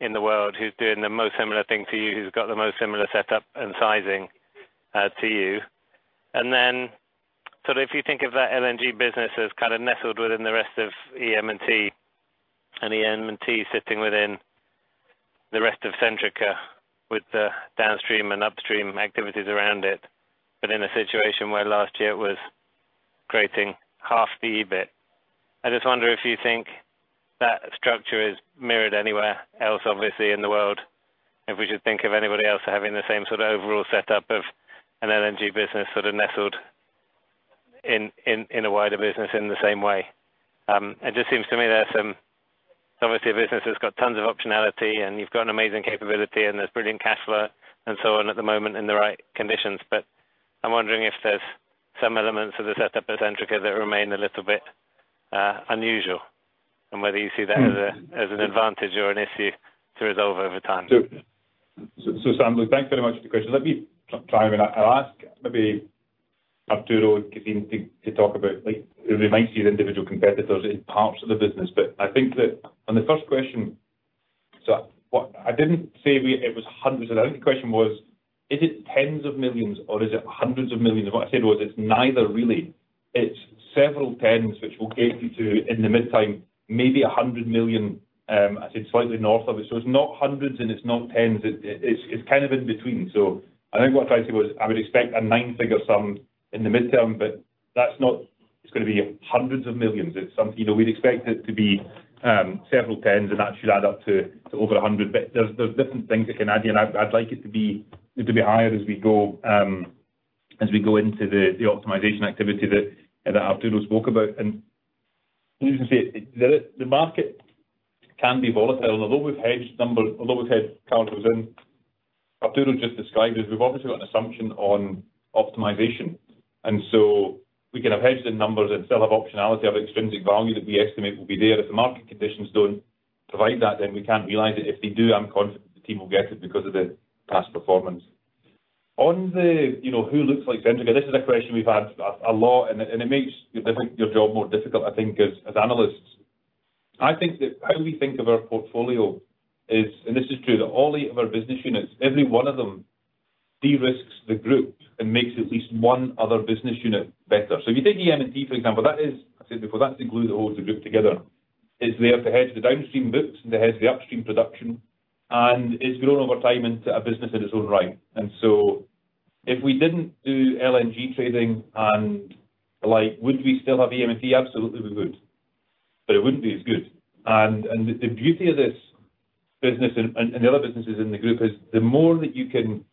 in the world, who's doing the most similar thing to you, who's got the most similar setup and sizing to you. Sort of if you think of that LNG business as kind of nestled within the rest of EM&T, and EM&T sitting within the rest of Centrica with the downstream and upstream activities around it, but in a situation where last year it was creating half the EBIT. I just wonder if you think that structure is mirrored anywhere else, obviously, in the world, if we should think of anybody else having the same sort of overall setup of an LNG business sort of nestled in a wider business in the same way. It just seems to me there's some, obviously, a business that's got tons of optionality, and you've got an amazing capability, and there's brilliant cash flow and so on at the moment in the right conditions. I'm wondering if there's some elements of the setup at Centrica that remain a little bit unusual and whether you see that as an advantage or an issue to resolve over time. Sam, look, thanks very much for the question. Let me try and I'll ask maybe Arturo and Kevin to talk about like it reminds me of individual competitors in parts of the business. I think that on the first question, what I didn't say it was hundreds. I think the question was, is it tens of millions of GBP or is it hundreds of millions of GBP? What I said was it's neither really. It's several tens, which will get you to in the midterm, maybe 100 million, I said slightly north of it. It's not hundreds and it's not tens. It's kind of in between. I think what I tried to say was I would expect a nine-figure sum in the midterm, but that's not just gonna be hundreds of millions of GBP. It's some, you know, we'd expect it to be several 10s and that should add up to over 100. There's different things that can add here, and I'd like it to be higher as we go into the optimization activity that Arturo spoke about. You can see it, the market can be volatile. Although we've hedged numbers, although we've hedged cargoes in, Arturo just described it, we've obviously got an assumption on optimization. We can have hedged the numbers and still have optionality of extrinsic value that we estimate will be there if the market conditions don't provide that, then we can't realize it. If they do, I'm confident the team will get it because of the past performance. On the, you know, who looks like Centrica? This is a question we've had a lot, and it makes your job more difficult, I think, as analysts. I think that how we think of our portfolio is, this is true, that all eight of our business units, every one of them de-risks the group and makes at least one other business unit better. If you take EM&T, for example, that is, I said before, that's the glue that holds the group together. It's there to hedge the downstream books and it hedge the upstream production, and it's grown over time into a business in its own right. If we didn't do LNG trading and the like, would we still have EM&T? Absolutely, we would. It wouldn't be as good. The beauty of this business and the other businesses in the group is the more that you can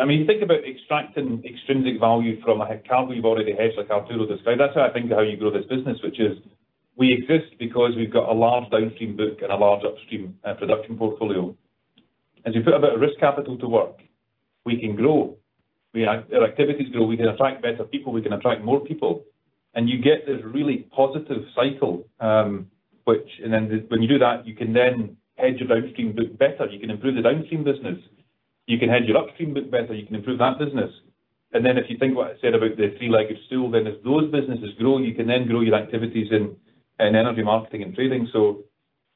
I mean, think about extracting extrinsic value from a cargo you've already hedged, like Arturo described. That's how I think of how you grow this business, which is we exist because we've got a large downstream book and a large upstream production portfolio. As you put a bit of risk capital to work, we can grow. Our activities grow, we can attract better people, we can attract more people, and you get this really positive cycle, which. When you do that, you can then hedge your downstream book better. You can improve the downstream business. You can hedge your upstream book better. You can improve that business. If you think what I said about the three-legged stool, then if those businesses grow, you can then grow your activities in energy marketing and trading.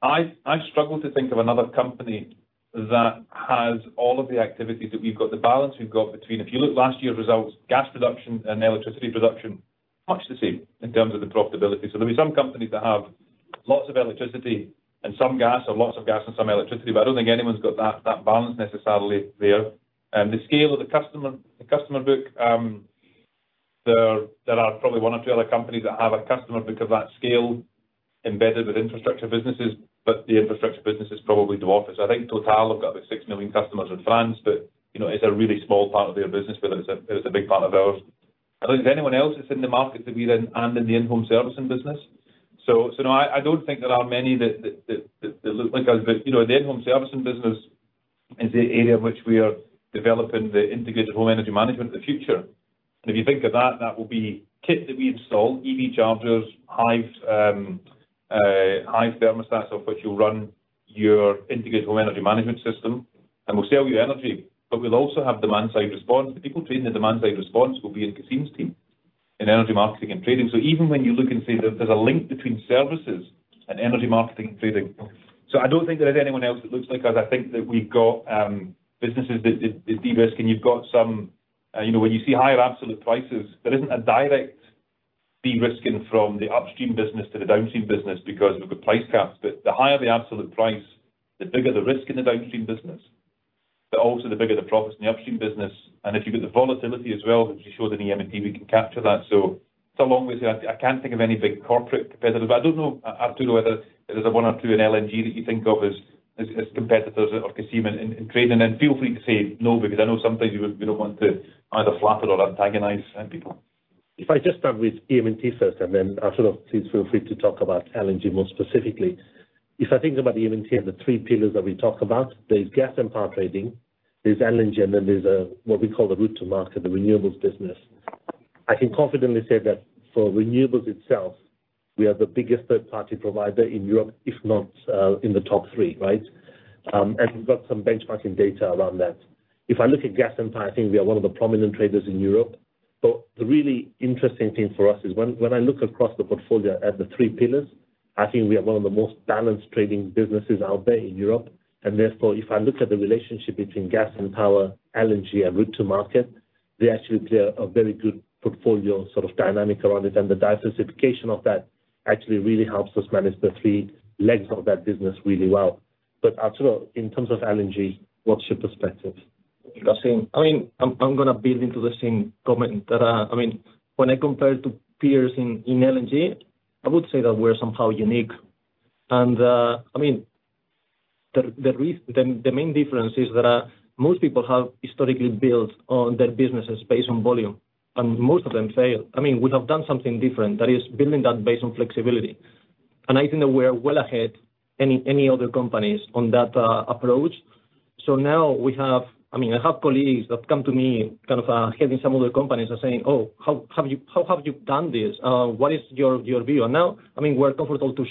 I struggle to think of another company that has all of the activities that we've got. The balance we've got between, if you look last year's results, gas production and electricity production, much the same in terms of the profitability. There'll be some companies that have lots of electricity and some gas or lots of gas and some electricity, but I don't think anyone's got that balance necessarily there. The scale of the customer book, there are probably one or two other companies that have a customer book of that scale embedded with infrastructure businesses, but the infrastructure business is probably dwarfed. I think TotalEnergies have got about 6 million customers in France, but, you know, it's a really small part of their business, but it's a big part of ours. I don't think there's anyone else that's in the market that we're in and in the in-home servicing business. No, I don't think there are many that look like us. You know, the in-home servicing business is the area in which we are developing the integrated home energy management of the future. If you think of that will be kit that we install, EV chargers, Hive thermostats, off which you'll run your integrated home energy management system. We'll sell you energy, but we'll also have demand-side response. The people trading the demand-side response will be in Cassim's team in Energy Marketing and Trading. Even when you look and see, there's a link between services and Energy Marketing and Trading. I don't think there is anyone else that looks like us. I think that we've got businesses that de-risk, and you've got some, you know, when you see higher absolute prices, there isn't a direct de-risking from the upstream business to the downstream business because we've got price caps. The higher the absolute price, the bigger the risk in the downstream business, but also the bigger the profits in the upstream business. If you've got the volatility as well, as we showed in EM&T, we can capture that. It's a long way there. I can't think of any big corporate competitor, but I don't know, Arturo, whether there's one or two in LNG that you think of as competitors or Cassim in trading. Feel free to say no because I know sometimes you don't want to either flatter or antagonize any people. If I just start with EM&T first, and then Arturo please feel free to talk about LNG more specifically. If I think about EM&T and the three pillars that we talk about, there's gas and power trading, there's LNG, and then there's what we call the route-to-market, the renewables business. I can confidently say that for renewables itself, we are the biggest third-party provider in Europe, if not in the top three, right? We've got some benchmarking data around that. If I look at gas and power, I think we are one of the prominent traders in Europe. The really interesting thing for us is when I look across the portfolio at the three pillars, I think we are one of the most balanced trading businesses out there in Europe. Therefore, if I look at the relationship between gas and power, LNG and route-to-market, they actually play a very good portfolio sort of dynamic around it. The diversification of that actually really helps us manage the three legs of that business really well. Arturo, in terms of LNG, what's your perspective? Cassim. I mean, I'm gonna build into the same comment. I mean, when I compare to peers in LNG, I would say that we're somehow unique. I mean, the main difference is that most people have historically built on their businesses based on volume, and most of them fail. I mean, we have done something different that is building that based on flexibility. I think that we are well ahead any other companies on that approach. Now we have, I mean, I have colleagues that come to me kind of heading some other companies and saying, "Oh, how have you done this? What is your view?" Now, I mean, we're comfortable to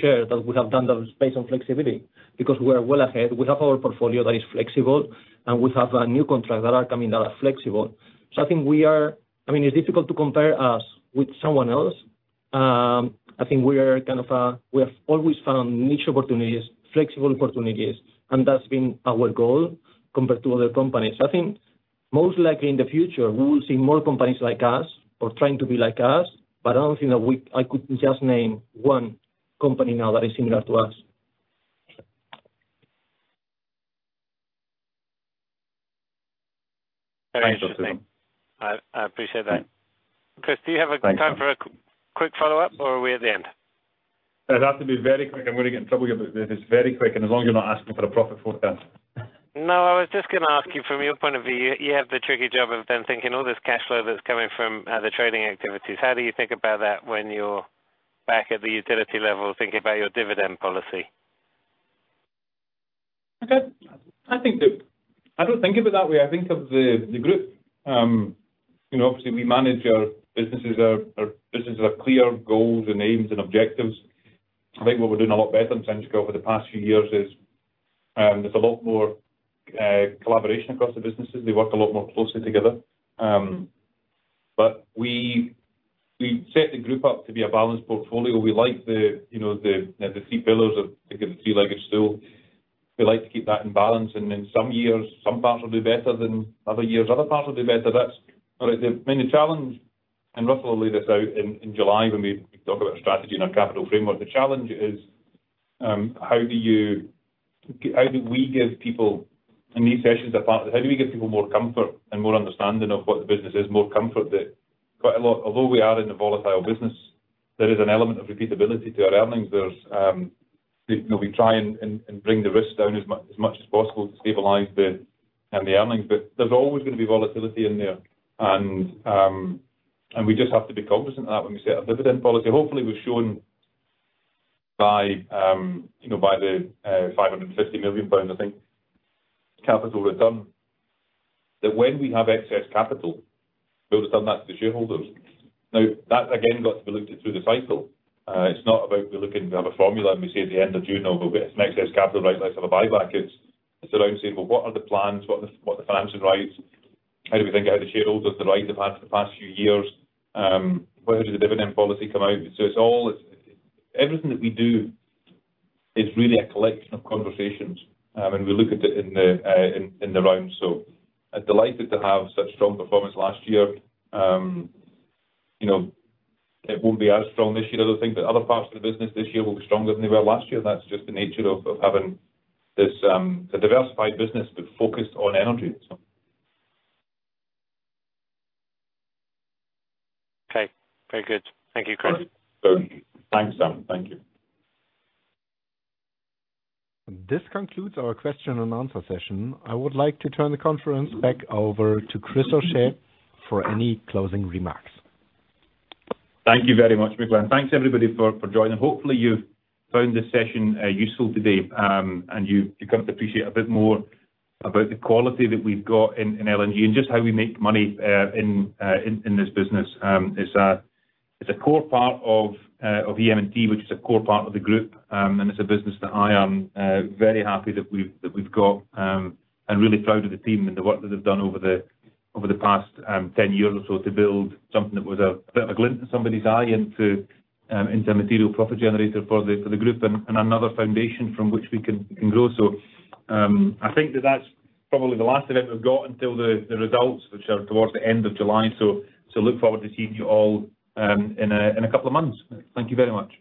share that we have done that based on flexibility because we are well ahead. We have our portfolio that is flexible, and we have new contracts that are coming that are flexible. I think we are, I mean, it's difficult to compare us with someone else. I think we are kind of, we have always found niche opportunities, flexible opportunities, and that's been our goal compared to other companies. I think most likely in the future, we will see more companies like us or trying to be like us, but I don't think that I could just name one company now that is similar to us. Thanks, Arturo. Very interesting. I appreciate that. Chris, do you have? Thanks, guys.... time for a quick follow-up, or are we at the end? It'll have to be very quick. I'm gonna get in trouble here, but if it's very quick, and as long as you're not asking for a profit forecast. I was just gonna ask you from your point of view, you have the tricky job of then thinking all this cash flow that's coming from the trading activities. How do you think about that when you're back at the utility level thinking about your dividend policy? I don't think of it that way. I think of the group, you know, obviously we manage our businesses. Our businesses have clear goals and aims, and objectives. I think what we're doing a lot better in Centrica over the past few years is, there's a lot more collaboration across the businesses. They work a lot more closely together. We set the group up to be a balanced portfolio. We like the, you know, the three pillars of, think of the three-legged stool. We like to keep that in balance. In some years, some parts will do better than other years, other parts will do better. That's. All right. I mean, the challenge, and Russell laid this out in July when we talk about strategy and our capital framework. The challenge is, how do we give people a new session? How do we give people more comfort and more understanding of what the business is? More comfort that quite a lot, although we are in a volatile business, there is an element of repeatability to our earnings. There's, you know, we try and bring the risk down as much as possible to stabilize the earnings. There's always gonna be volatility in there. We just have to be cognizant of that when we set our dividend policy. Hopefully, we've shown by, you know, by the 550 million pounds, I think, capital return, that when we have excess capital, we return that to the shareholders. That again got to be looked at through the cycle. It's not about we looking to have a formula. We say at the end of June, oh, we have some excess capital. Right, let's have a buyback. It's around saying, "Well, what are the plans? What are the financing rights? How do we think how the shareholders the rights have had for the past few years? Where does the dividend policy come out?" It's all. It's everything that we do is really a collection of conversations, and we look at it in the round. I'm delighted to have such strong performance last year. You know, it won't be as strong this year, I don't think. Other parts of the business this year will be stronger than they were last year. That's just the nature of having this, a diversified business but focused on energy, so. Okay. Very good. Thank you, Chris. All right. Thanks, Sam. Thank you. This concludes our question and answer session. I would like to turn the conference back over to Chris O'Shea for any closing remarks. Thank you very much, Maclean. Thanks everybody for joining. Hopefully, you've found this session useful today, and you come to appreciate a bit more about the quality that we've got in LNG and just how we make money in this business. It's a core part of EM&T, which is a core part of the group. It's a business that I am very happy that we've got, and really proud of the team and the work that they've done over the past 10 years or so to build something that was a bit of a glint in somebody's eye into a material profit generator for the group and another foundation from which we can grow. I think that that's probably the last event we've got until the results, which are towards the end of July. Look forward to seeing you all, in two months. Thank you very much.